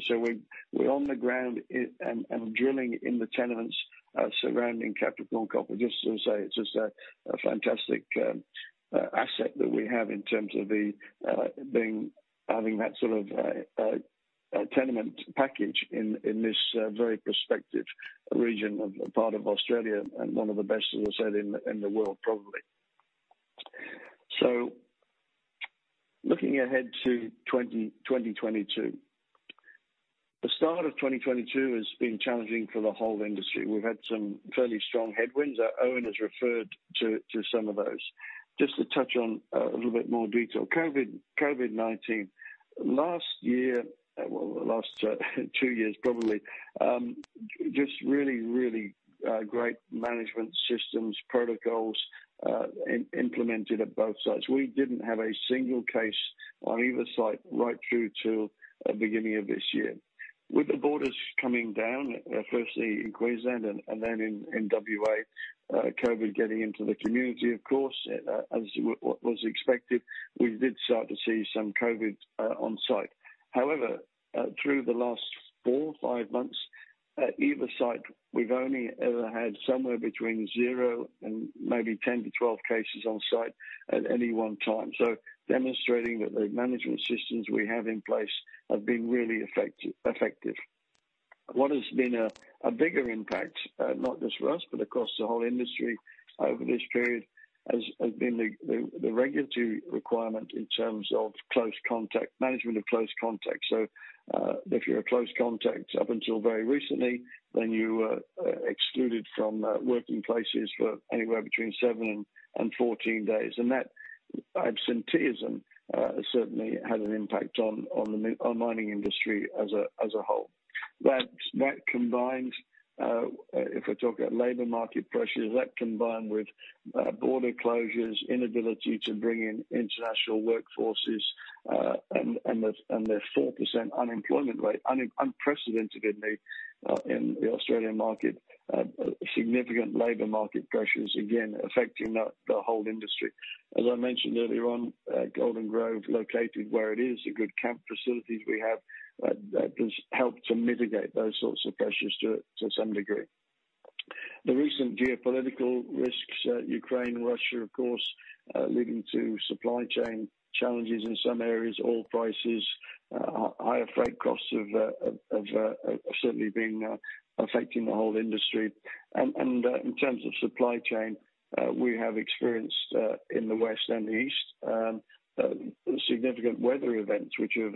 We're on the ground and drilling in the tenements surrounding Capricorn Copper. Just to say it's just a fantastic asset that we have in terms of having that sort of tenement package in this very prospective region of part of Australia and one of the best, as I said, in the world, probably. Looking ahead to 2022. The start of 2022 has been challenging for the whole industry. We've had some fairly strong headwinds. Owen has referred to some of those. Just to touch on a little bit more detail. COVID-19. Last year, well, the last two years probably, just really great management systems, protocols, implemented at both sites. We didn't have a single case on either site right through to the beginning of this year. With the borders coming down, firstly in Queensland and then in WA, COVID getting into the community, of course, as was expected, we did start to see some COVID on site. However, through the last four or five months, at either site, we've only ever had somewhere between zero and maybe 10-12 cases on site at any one time. This demonstrates that the management systems we have in place have been really effective. What has been a bigger impact, not just for us but across the whole industry over this period, has been the regulatory requirement in terms of close contact, management of close contact. If you're a close contact up until very recently, then you were excluded from working places for anywhere between seven and 14 days. That absenteeism certainly had an impact on the mining industry as a whole. That combined, if we're talking labor market pressures, with border closures, inability to bring in international workforces, and the 4% unemployment rate, unprecedented in the Australian market, significant labor market pressures again affecting the whole industry. As I mentioned earlier on, Golden Grove, located where it is, the good camp facilities we have, that has helped to mitigate those sorts of pressures to some degree. The recent geopolitical risks, Ukraine, Russia, of course, leading to supply chain challenges in some areas, oil prices, higher freight costs have certainly been affecting the whole industry. In terms of supply chain, we have experienced in the west and the east significant weather events which have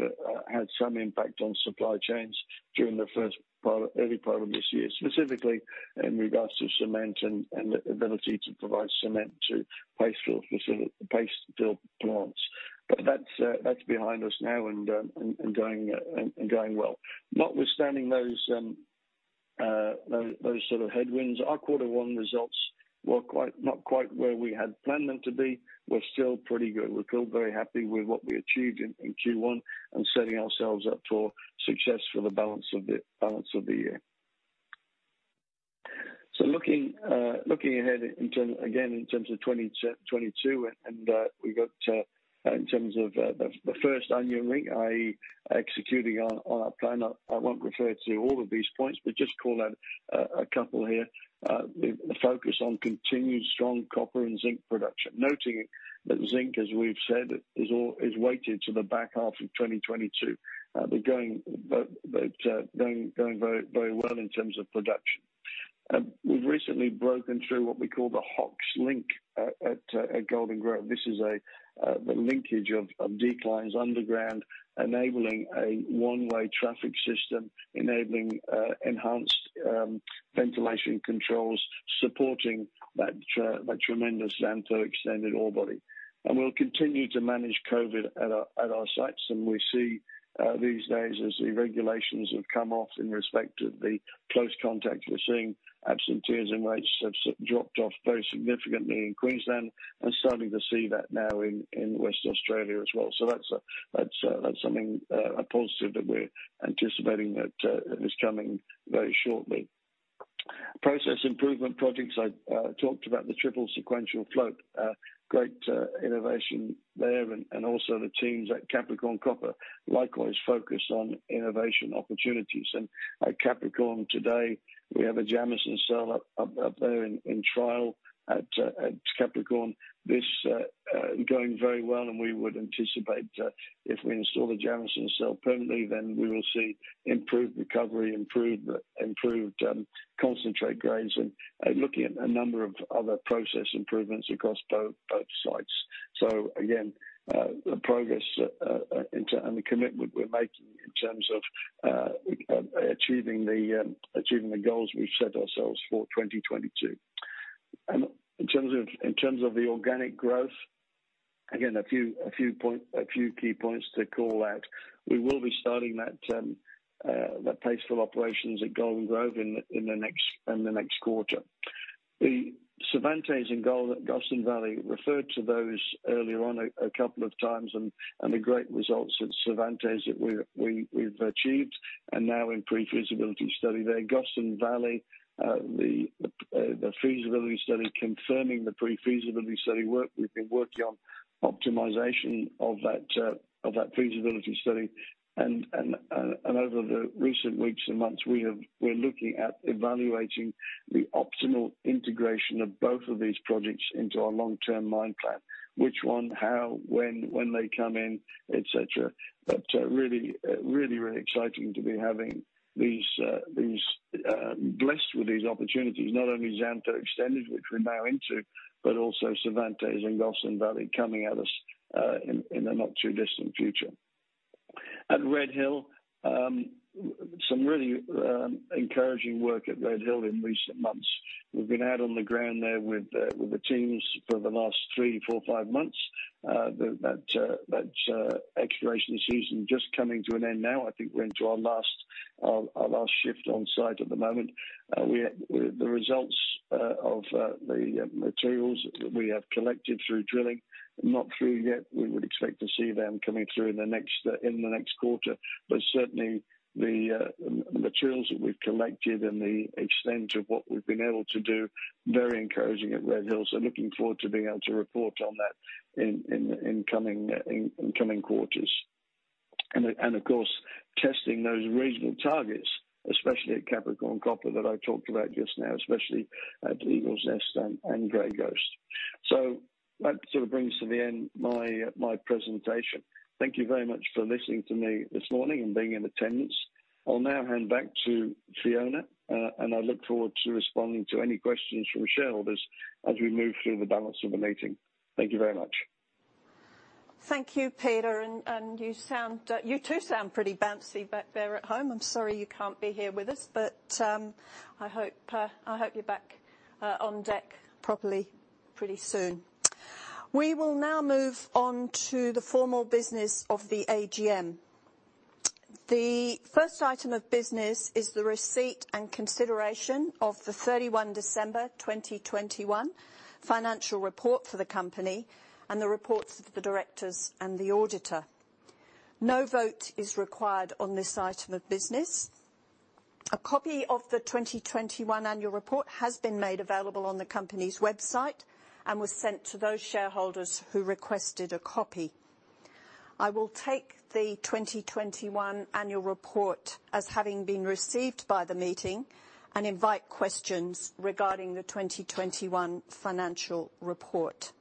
had some impact on supply chains during the first part, early part of this year, specifically in regards to cement and the ability to provide cement to paste fill plants. That's behind us now and going well. Notwithstanding those sort of headwinds, our quarter one results were not quite where we had planned them to be. We're still pretty good. We're still very happy with what we achieved in Q1 and setting ourselves up for success for the balance of the year. Looking ahead in terms of 2022, we've got in terms of the first onion ring, i.e., executing on our plan. I won't refer to all of these points, but just call out a couple here. The focus on continued strong copper and zinc production. Noting that zinc, as we've said, is weighted to the back half of 2022. They're going very well in terms of production. We've recently broken through what we call the Hawks Link at Golden Grove. This is the linkage of declines underground, enabling a one-way traffic system, enabling enhanced ventilation controls, supporting that tremendous Xantho Extended ore body. We'll continue to manage COVID at our sites. We see these days as the regulations have come off in respect to the close contact, we're seeing absenteeism rates have dropped off very significantly in Queensland. We're starting to see that now in Western Australia as well. That's something, a positive that we're anticipating that is coming very shortly. Process improvement projects. I talked about the triple sequential float. Great innovation there and also the teams at Capricorn Copper likewise focused on innovation opportunities. At Capricorn today, we have a Jameson Cell up there in trial at Capricorn. This going very well and we would anticipate if we install the Jameson Cell permanently, then we will see improved recovery, improved concentrate grades and looking at a number of other process improvements across both sites. The progress and the commitment we're making in terms of achieving the goals we've set ourselves for 2022. In terms of the organic growth, again, a few key points to call out. We will be starting that Phase 4 operations at Golden Grove in the next quarter. The Cervantes and Gossan Valley referred to those earlier on a couple of times and the great results at Cervantes that we've achieved and now in pre-feasibility study there. Gossan Valley, the feasibility study confirming the pre-feasibility study work we've been working on, optimization of that feasibility study and over the recent weeks and months we're looking at evaluating the optimal integration of both of these projects into our long-term mine plan. Which one, how, when they come in, et cetera. Really exciting to be blessed with these opportunities, not only Xantho Extended, which we're now into, but also Cervantes and Gossan Valley coming at us, in the not-too-distant future. At Red Hill, some really encouraging work at Red Hill in recent months. We've been out on the ground there with the teams for the last three, four, five months. That exploration season just coming to an end now. I think we're into our last shift on site at the moment. The results of the materials that we have collected through drilling are not through yet. We would expect to see them coming through in the next quarter. Certainly the materials that we've collected and the extent of what we've been able to do, very encouraging at Red Hill, so looking forward to being able to report on that in coming quarters. Of course, testing those regional targets, especially at Capricorn Copper that I talked about just now, especially at Eagle's Nest and Grey Ghost. That sort of brings to the end my presentation. Thank you very much for listening to me this morning and being in attendance. I'll now hand back to Fiona, and I look forward to responding to any questions from shareholders as we move through the balance of the meeting. Thank you very much.
Thank you, Peter, you too sound pretty bouncy back there at home. I'm sorry you can't be here with us, but I hope you're back on deck properly pretty soon. We will now move on to the formal business of the AGM. The first item of business is the receipt and consideration of the 31 December 2021 financial report for the company and the reports of the directors and the auditor. No vote is required on this item of business. A copy of the 2021 annual report has been made available on the company's website and was sent to those shareholders who requested a copy. I will take the 2021 annual report as having been received by the meeting and invite questions regarding the 2021 financial report.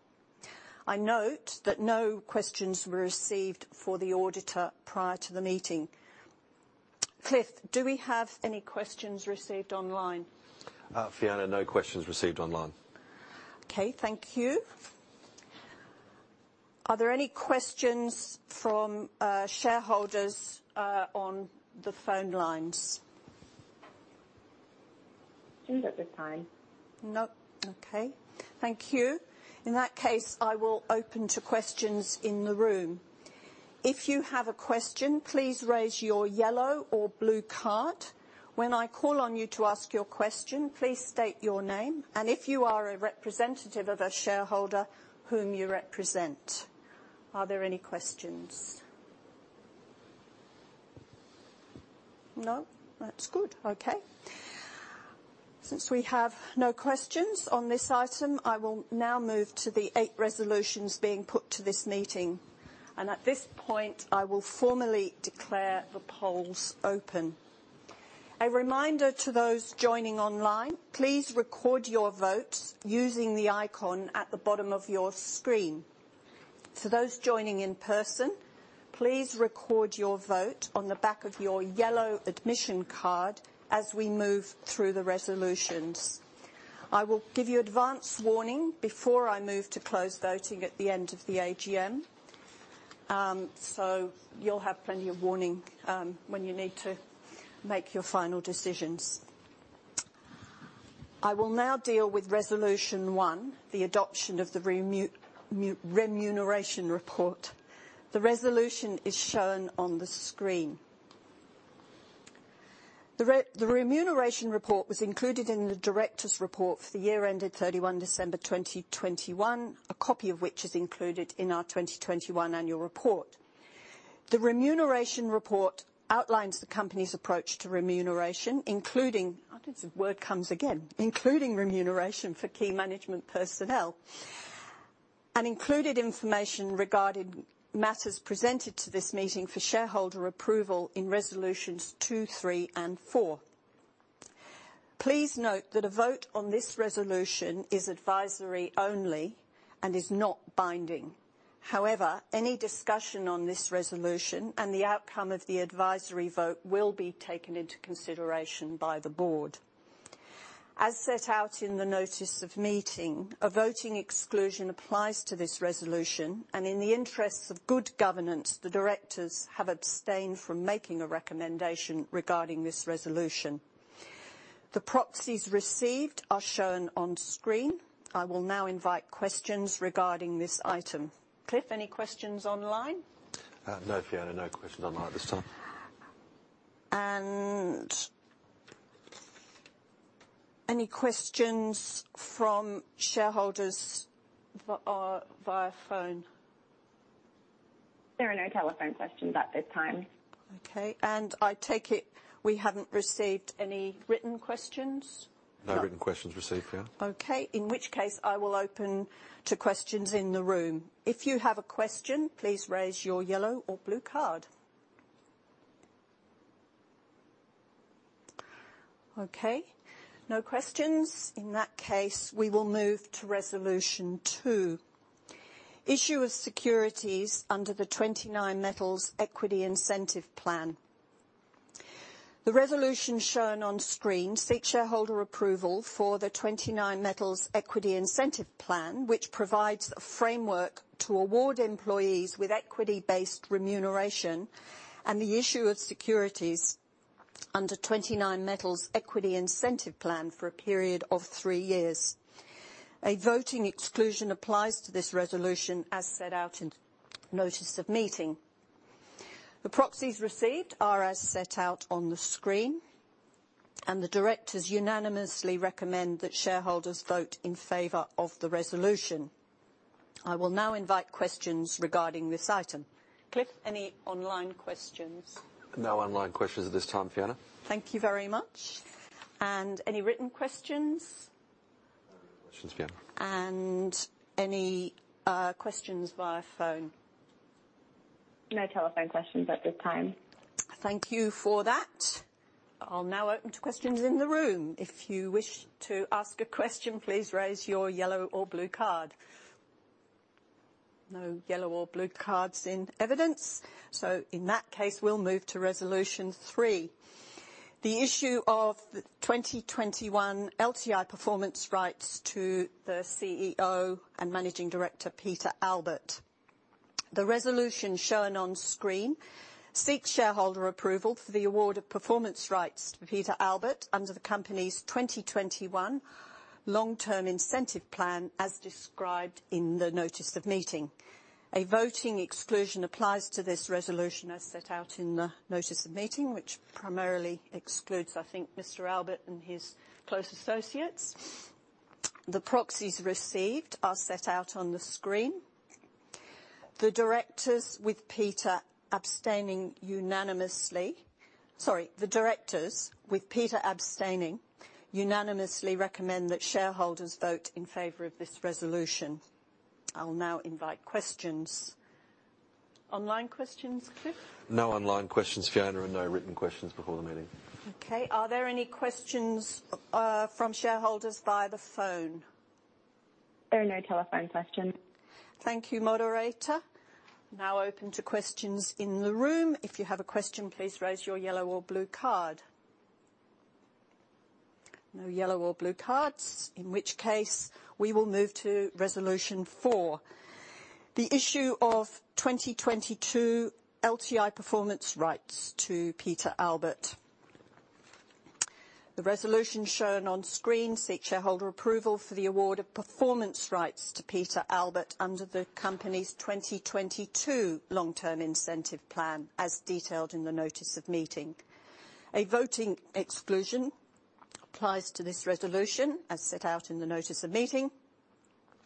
I note that no questions were received for the auditor prior to the meeting. Cliff, do we have any questions received online?
Fiona, no questions received online.
Okay. Thank you. Are there any questions from shareholders on the phone lines?
None at this time.
No? Okay. Thank you. In that case, I will open to questions in the room. If you have a question, please raise your yellow or blue card. When I call on you to ask your question, please state your name and if you are a representative of a shareholder, whom you represent. Are there any questions? No? That's good. Okay. Since we have no questions on this item, I will now move to the eight resolutions being put to this meeting. At this point, I will formally declare the polls open. A reminder to those joining online, please record your vote using the icon at the bottom of your screen. For those joining in person, please record your vote on the back of your yellow admission card as we move through the resolutions. I will give you advance warning before I move to close voting at the end of the AGM. You'll have plenty of warning when you need to make your final decisions. I will now deal with Resolution 1, the adoption of the remuneration report. The resolution is shown on the screen. The remuneration report was included in the directors' report for the year ended 31 December 2021, a copy of which is included in our 2021 annual report. The remuneration report outlines the company's approach to remuneration, including remuneration for key management personnel. Included information regarding matters presented to this meeting for shareholder approval in resolutions two, three, and four. Please note that a vote on this resolution is advisory only and is not binding. However, any discussion on this resolution and the outcome of the advisory vote will be taken into consideration by the board. As set out in the notice of meeting, a voting exclusion applies to this resolution, and in the interests of good governance, the directors have abstained from making a recommendation regarding this resolution. The proxies received are shown on screen. I will now invite questions regarding this item. Clifford, any questions online?
No, Fiona. No questions online at this time.
Any questions from shareholders via phone?
There are no telephone questions at this time.
Okay, I take it we haven't received any written questions?
No written questions received, Fiona.
Okay. In which case, I will open to questions in the room. If you have a question, please raise your yellow or blue card. Okay, no questions. In that case, we will move to Resolution 2, issue of securities under the 29Metals Limited Equity Incentive Plan. The resolution shown on screen seeks shareholder approval for the 29Metals Limited Equity Incentive Plan, which provides a framework to award employees with equity-based remuneration and the issue of securities under 29Metals Limited Equity Incentive Plan for a period of three years. A voting exclusion applies to this resolution as set out in notice of meeting. The proxies received are as set out on the screen, and the directors unanimously recommend that shareholders vote in favor of the resolution. I will now invite questions regarding this item. Cliff, any online questions?
No online questions at this time, Fiona.
Thank you very much. Any written questions?
No written questions, Fiona.
Any questions via phone?
No telephone questions at this time.
Thank you for that. I'll now open to questions in the room. If you wish to ask a question, please raise your yellow or blue card. No yellow or blue cards in evidence, so in that case, we'll move to Resolution 3, the issue of the 2021 LTI performance rights to the CEO and managing director, Peter Albert. The resolution shown on screen seeks shareholder approval for the award of performance rights to Peter Albert under the company's 2021 long-term incentive plan, as described in the notice of meeting. A voting exclusion applies to this resolution as set out in the notice of meeting, which primarily excludes, I think, Mr. Albert and his close associates. The proxies received are set out on the screen. The directors, with Peter abstaining, unanimously recommend that shareholders vote in favor of this resolution. I'll now invite questions. Online questions, Cliff?
No online questions, Fiona, and no written questions before the meeting.
Okay. Are there any questions from shareholders via the phone?
There are no telephone questions.
Thank you, moderator. Now open to questions in the room. If you have a question, please raise your yellow or blue card. No yellow or blue cards, in which case, we will move to Resolution 4, the issue of 2022 LTI performance rights to Peter Albert. The resolution shown on screen seeks shareholder approval for the award of performance rights to Peter Albert under the company's 2022 long-term incentive plan, as detailed in the notice of meeting. A voting exclusion applies to this resolution, as set out in the notice of meeting.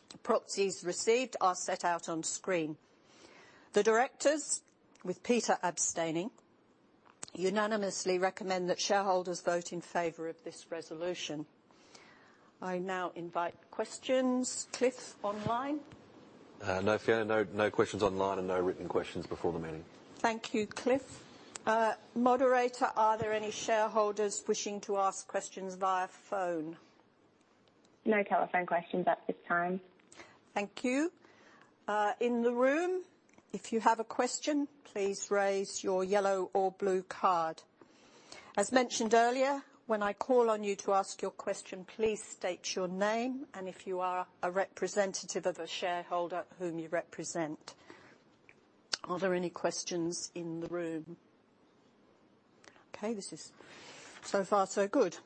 The proxies received are set out on screen. The directors, with Peter abstaining, unanimously recommend that shareholders vote in favor of this resolution. I now invite questions. Clifford, online?
No, Fiona. No questions online and no written questions before the meeting.
Thank you, Cliff. Moderator, are there any shareholders wishing to ask questions via phone?
No telephone questions at this time.
Thank you. In the room, if you have a question, please raise your yellow or blue card. As mentioned earlier, when I call on you to ask your question, please state your name and if you are a representative of a shareholder, whom you represent. Are there any questions in the room? Okay. This is so far, so good.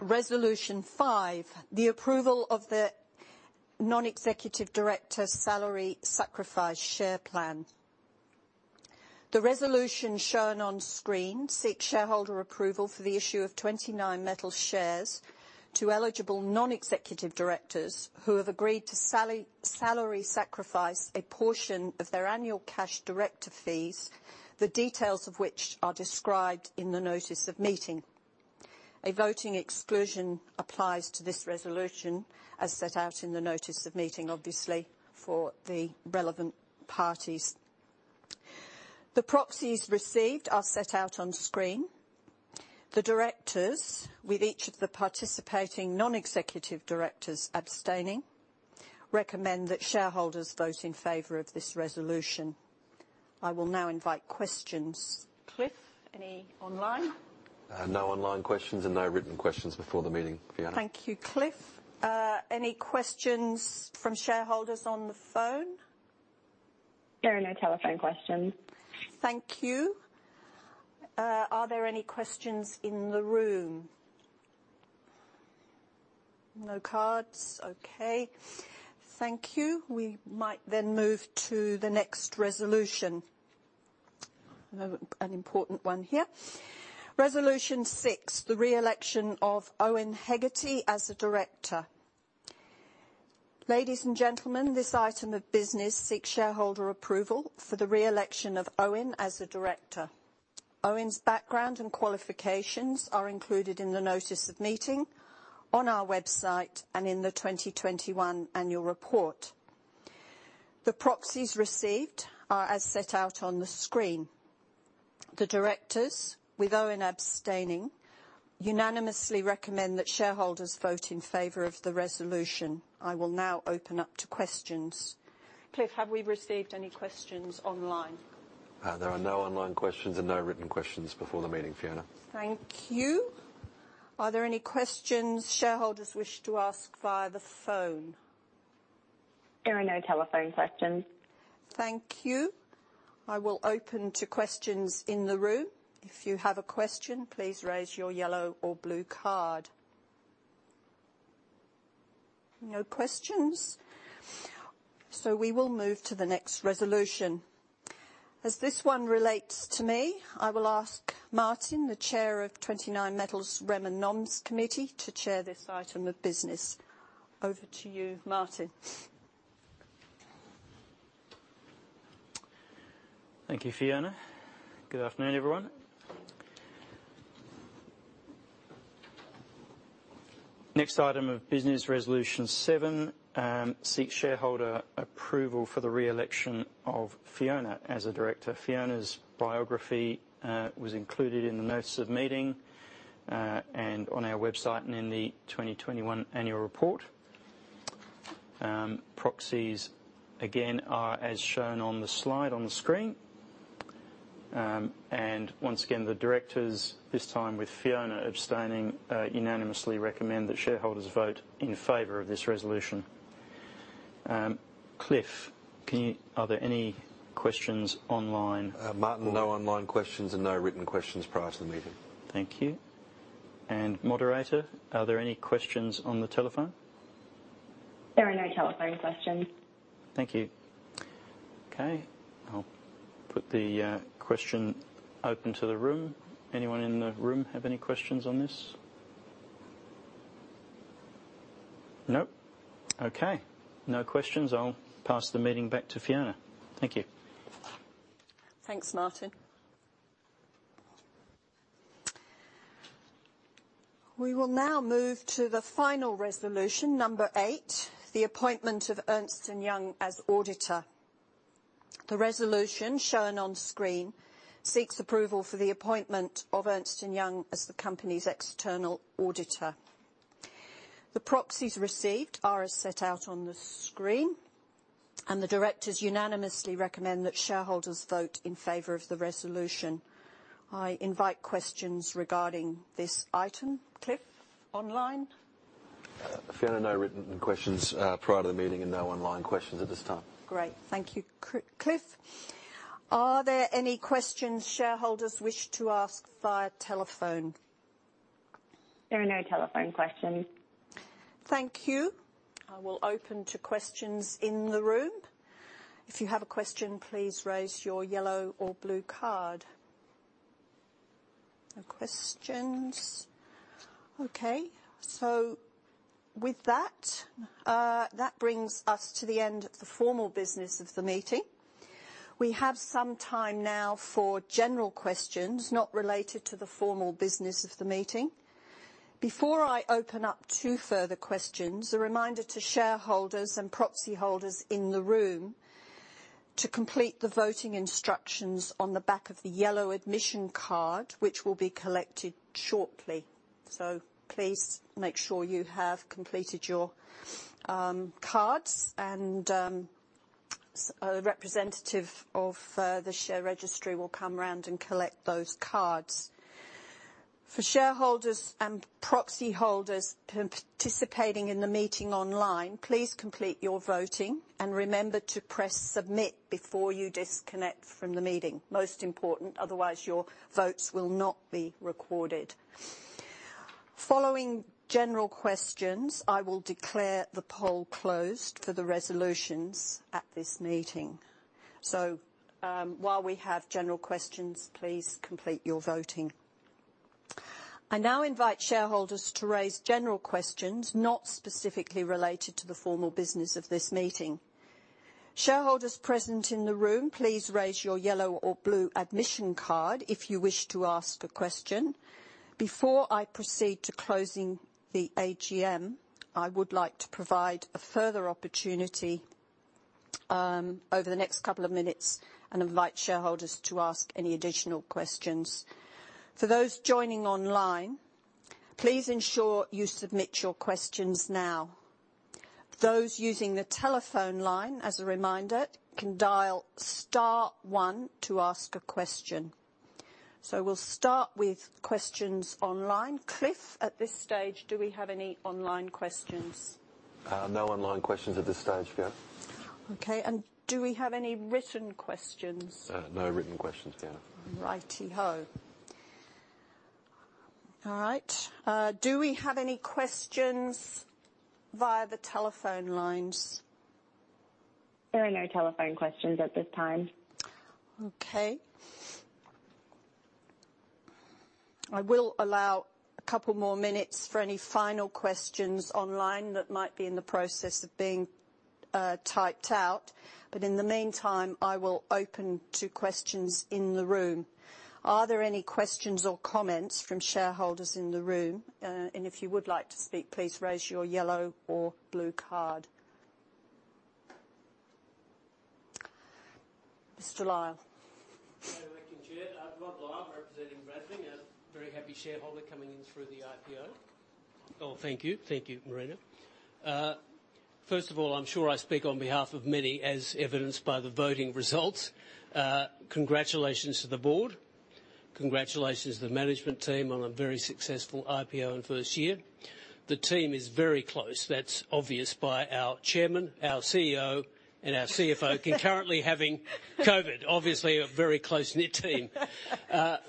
Resolution 5, the approval of the non-executive director salary sacrifice share plan. The resolution shown on screen seeks shareholder approval for the issue of 29Metals shares to eligible non-executive directors who have agreed to salary sacrifice a portion of their annual cash director fees, the details of which are described in the notice of meeting. A voting exclusion applies to this resolution as set out in the notice of meeting, obviously, for the relevant parties. The proxies received are set out on screen. The directors, with each of the participating non-executive directors abstaining, recommend that shareholders vote in favor of this resolution. I will now invite questions. Cliff, any online?
No online questions and no written questions before the meeting, Fiona.
Thank you, Cliff. Any questions from shareholders on the phone?
There are no telephone questions.
Thank you. Are there any questions in the room? No cards. Okay. Thank you. We might then move to the next resolution. An important one here. Resolution 6, the reelection of Owen Hegarty as a director. Ladies and gentlemen, this item of business seeks shareholder approval for the reelection of Owen as a director. Owen's background and qualifications are included in the notice of meeting, on our website and in the 2021 annual report. The proxies received are as set out on the screen. The directors, with Owen abstaining, unanimously recommend that shareholders vote in favor of the resolution. I will now open up to questions. Cliff, have we received any questions online?
There are no online questions and no written questions before the meeting, Fiona.
Thank you. Are there any questions shareholders wish to ask via the phone?
There are no telephone questions.
Thank you. I will open to questions in the room. If you have a question, please raise your yellow or blue card. No questions. We will move to the next resolution. As this one relates to me, I will ask Martin, the chair of 29Metals' Remuneration & Nominations Committee, to chair this item of business. Over to you, Martin.
Thank you, Fiona. Good afternoon, everyone. Next item of business, Resolution 7, seeks shareholder approval for the reelection of Fiona as a director. Fiona's biography was included in the notice of meeting, and on our website and in the 2021 annual report. Proxies again are as shown on the slide on the screen. Once again, the directors, this time with Fiona abstaining, unanimously recommend that shareholders vote in favor of this resolution. Are there any questions online?
Martin, no online questions and no written questions prior to the meeting.
Thank you. Moderator, are there any questions on the telephone?
There are no telephone questions.
Thank you. Okay, I'll put the question open to the room. Anyone in the room have any questions on this? Nope. Okay, no questions. I'll pass the meeting back to Fiona. Thank you.
Thanks, Martin. We will now move to the final Resolution 8, the appointment of Ernst & Young as auditor. The resolution shown on screen seeks approval for the appointment of Ernst & Young as the company's external auditor. The proxies received are as set out on the screen, and the directors unanimously recommend that shareholders vote in favor of the resolution. I invite questions regarding this item. Cliff, online?
Fiona, no written questions prior to the meeting and no online questions at this time.
Great. Thank you, Cliff. Are there any questions shareholders wish to ask via telephone?
There are no telephone questions.
Thank you. I will open to questions in the room. If you have a question, please raise your yellow or blue card. No questions. Okay. With that brings us to the end of the formal business of the meeting. We have some time now for general questions not related to the formal business of the meeting. Before I open up to further questions, a reminder to shareholders and proxy holders in the room to complete the voting instructions on the back of the yellow admission card, which will be collected shortly. Please make sure you have completed your cards and a representative of the share registry will come around and collect those cards. For shareholders and proxy holders participating in the meeting online, please complete your voting and remember to press Submit before you disconnect from the meeting. Most important, otherwise your votes will not be recorded. Following general questions, I will declare the poll closed for the resolutions at this meeting. While we have general questions, please complete your voting. I now invite shareholders to raise general questions not specifically related to the formal business of this meeting. Shareholders present in the room, please raise your yellow or blue admission card if you wish to ask a question. Before I proceed to closing the AGM, I would like to provide a further opportunity, over the next couple of minutes and invite shareholders to ask any additional questions. For those joining online, please ensure you submit your questions now. Those using the telephone line, as a reminder, can dial star one to ask a question. We'll start with questions online. Cliff, at this stage, do we have any online questions?
No online questions at this stage, Fiona.
Okay, do we have any written questions?
No written questions, Fiona.
Righty-ho. All right. Do we have any questions via the telephone lines?
There are no telephone questions at this time.
Okay. I will allow a couple more minutes for any final questions online that might be in the process of being typed out, but in the meantime, I will open to questions in the room. Are there any questions or comments from shareholders in the room? If you would like to speak, please raise your yellow or blue card. Mr. Lyle.
Thank you, Chair. Rob Lyle. I'm representing Bradley, and a very happy shareholder coming in through the IPO. Thank you. Thank you, Marina. First of all, I'm sure I speak on behalf of many, as evidenced by the voting results. Congratulations to the board. Congratulations to the management team on a very successful IPO in the first year. The team is very close. That's obvious by our Chairman, our CEO, and our CFO concurrently having COVID. Obviously a very close-knit team.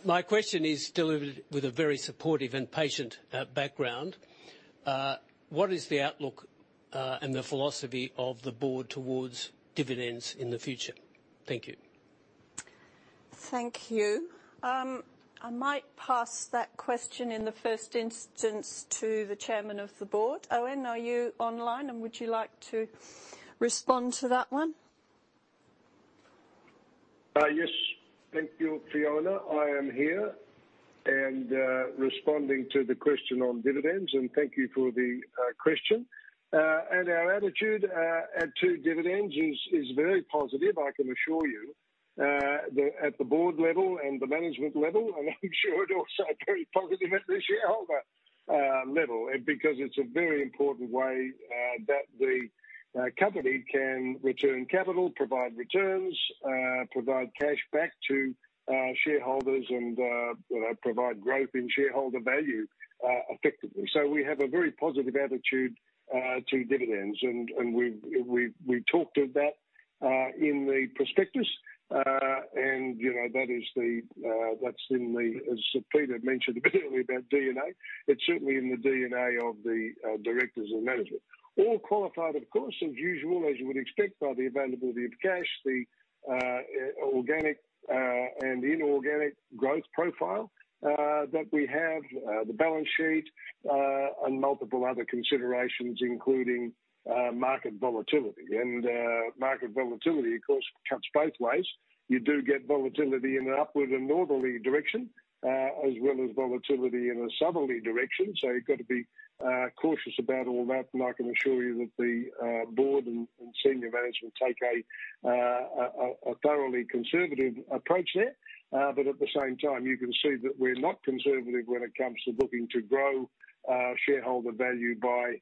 My question is delivered with a very supportive and patient background. What is the outlook and the philosophy of the board towards dividends in the future? Thank you.
Thank you. I might pass that question in the first instance to the chairman of the board. Owen, are you online, and would you like to respond to that one?
Yes. Thank you, Fiona. I am here and responding to the question on dividends, and thank you for the question. Our attitude to dividends is very positive, I can assure you. At the board level and the management level, and I'm sure also very positive at the shareholder level. Because it's a very important way that the company can return capital, provide returns, provide cash back to shareholders and provide growth in shareholder value effectively. We have a very positive attitude to dividends. We've talked of that in the prospectus. You know, that's in the DNA, as Peter mentioned a bit earlier about DNA. It's certainly in the DNA of the directors and management. All qualified, of course, as usual, as you would expect by the availability of cash, the organic and inorganic growth profile that we have. The balance sheet and multiple other considerations, including market volatility. Market volatility, of course, cuts both ways. You do get volatility in an upward and northerly direction, as well as volatility in a southerly direction. You've got to be cautious about all that, and I can assure you that the board and senior management take a thoroughly conservative approach there. At the same time, you can see that we're not conservative when it comes to looking to grow shareholder value by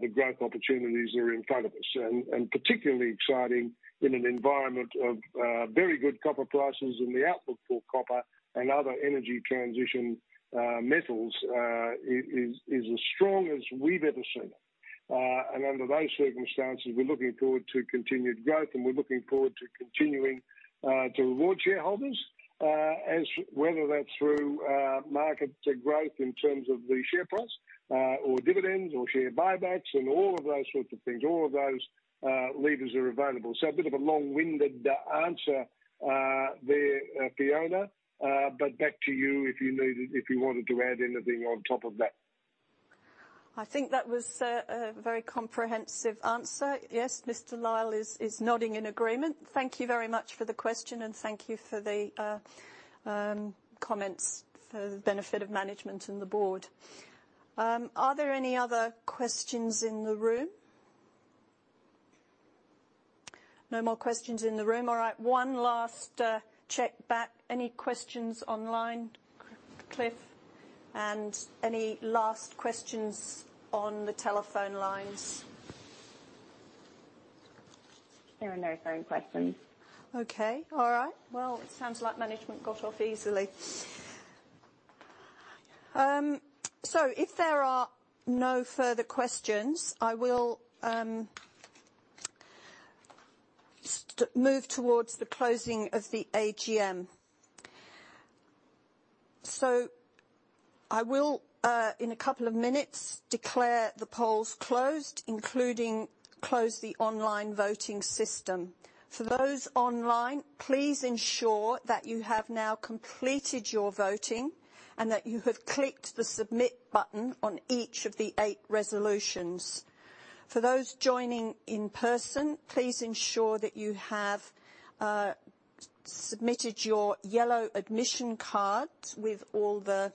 the growth opportunities that are in front of us. Particularly exciting in an environment of very good copper prices and the outlook for copper and other energy transition metals is as strong as we've ever seen it. Under those circumstances, we're looking forward to continued growth, and we're looking forward to continuing to reward shareholders. Whether that's through market growth in terms of the share price, or dividends, or share buybacks, and all of those sorts of things. All of those levers are available. A bit of a long-winded answer there, Fiona. Back to you if you wanted to add anything on top of that.
I think that was a very comprehensive answer. Yes. Mr. Lyle is nodding in agreement. Thank you very much for the question, and thank you for the comments for the benefit of management and the board. Are there any other questions in the room? No more questions in the room. All right. One last check back. Any questions online, Cliff? Any last questions on the telephone lines?
There are no phone questions.
Okay. All right. Well, it sounds like management got off easily. If there are no further questions, I will move towards the closing of the AGM. I will in a couple of minutes declare the polls closed, including close the online voting system. For those online, please ensure that you have now completed your voting and that you have clicked the Submit button on each of the eight resolutions. For those joining in person, please ensure that you have submitted your yellow admission card with all the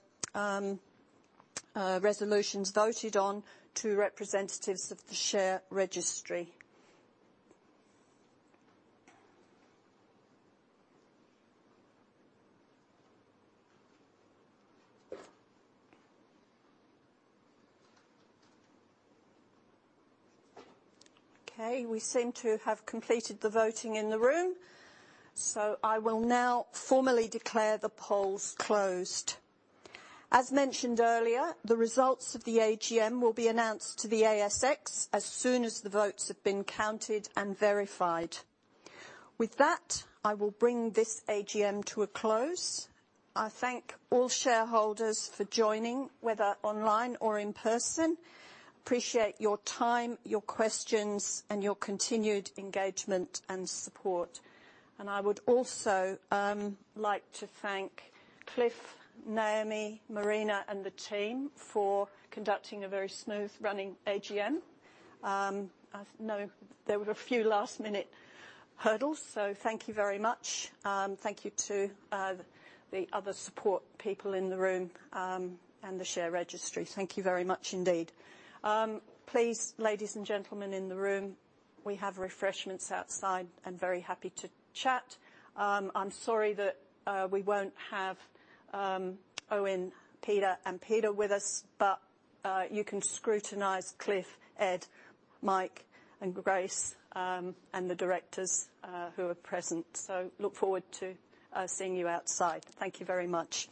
resolutions voted on to representatives of the share registry. Okay. We seem to have completed the voting in the room, so I will now formally declare the polls closed. As mentioned earlier, the results of the AGM will be announced to the ASX as soon as the votes have been counted and verified. With that, I will bring this AGM to a close. I thank all shareholders for joining, whether online or in person. Appreciate your time, your questions, and your continued engagement and support. I would also like to thank Cliff, Naomi, Marina, and the team for conducting a very smooth-running AGM. I know there were a few last-minute hurdles, so thank you very much. Thank you to the other support people in the room and the share registry. Thank you very much indeed. Please, ladies and gentlemen in the room, we have refreshments outside and very happy to chat. I'm sorry that we won't have Owen, Peter, and Peter with us, but you can scrutinize Cliff, Ed, Mike, and Grace and the directors who are present. Look forward to seeing you outside. Thank you very much.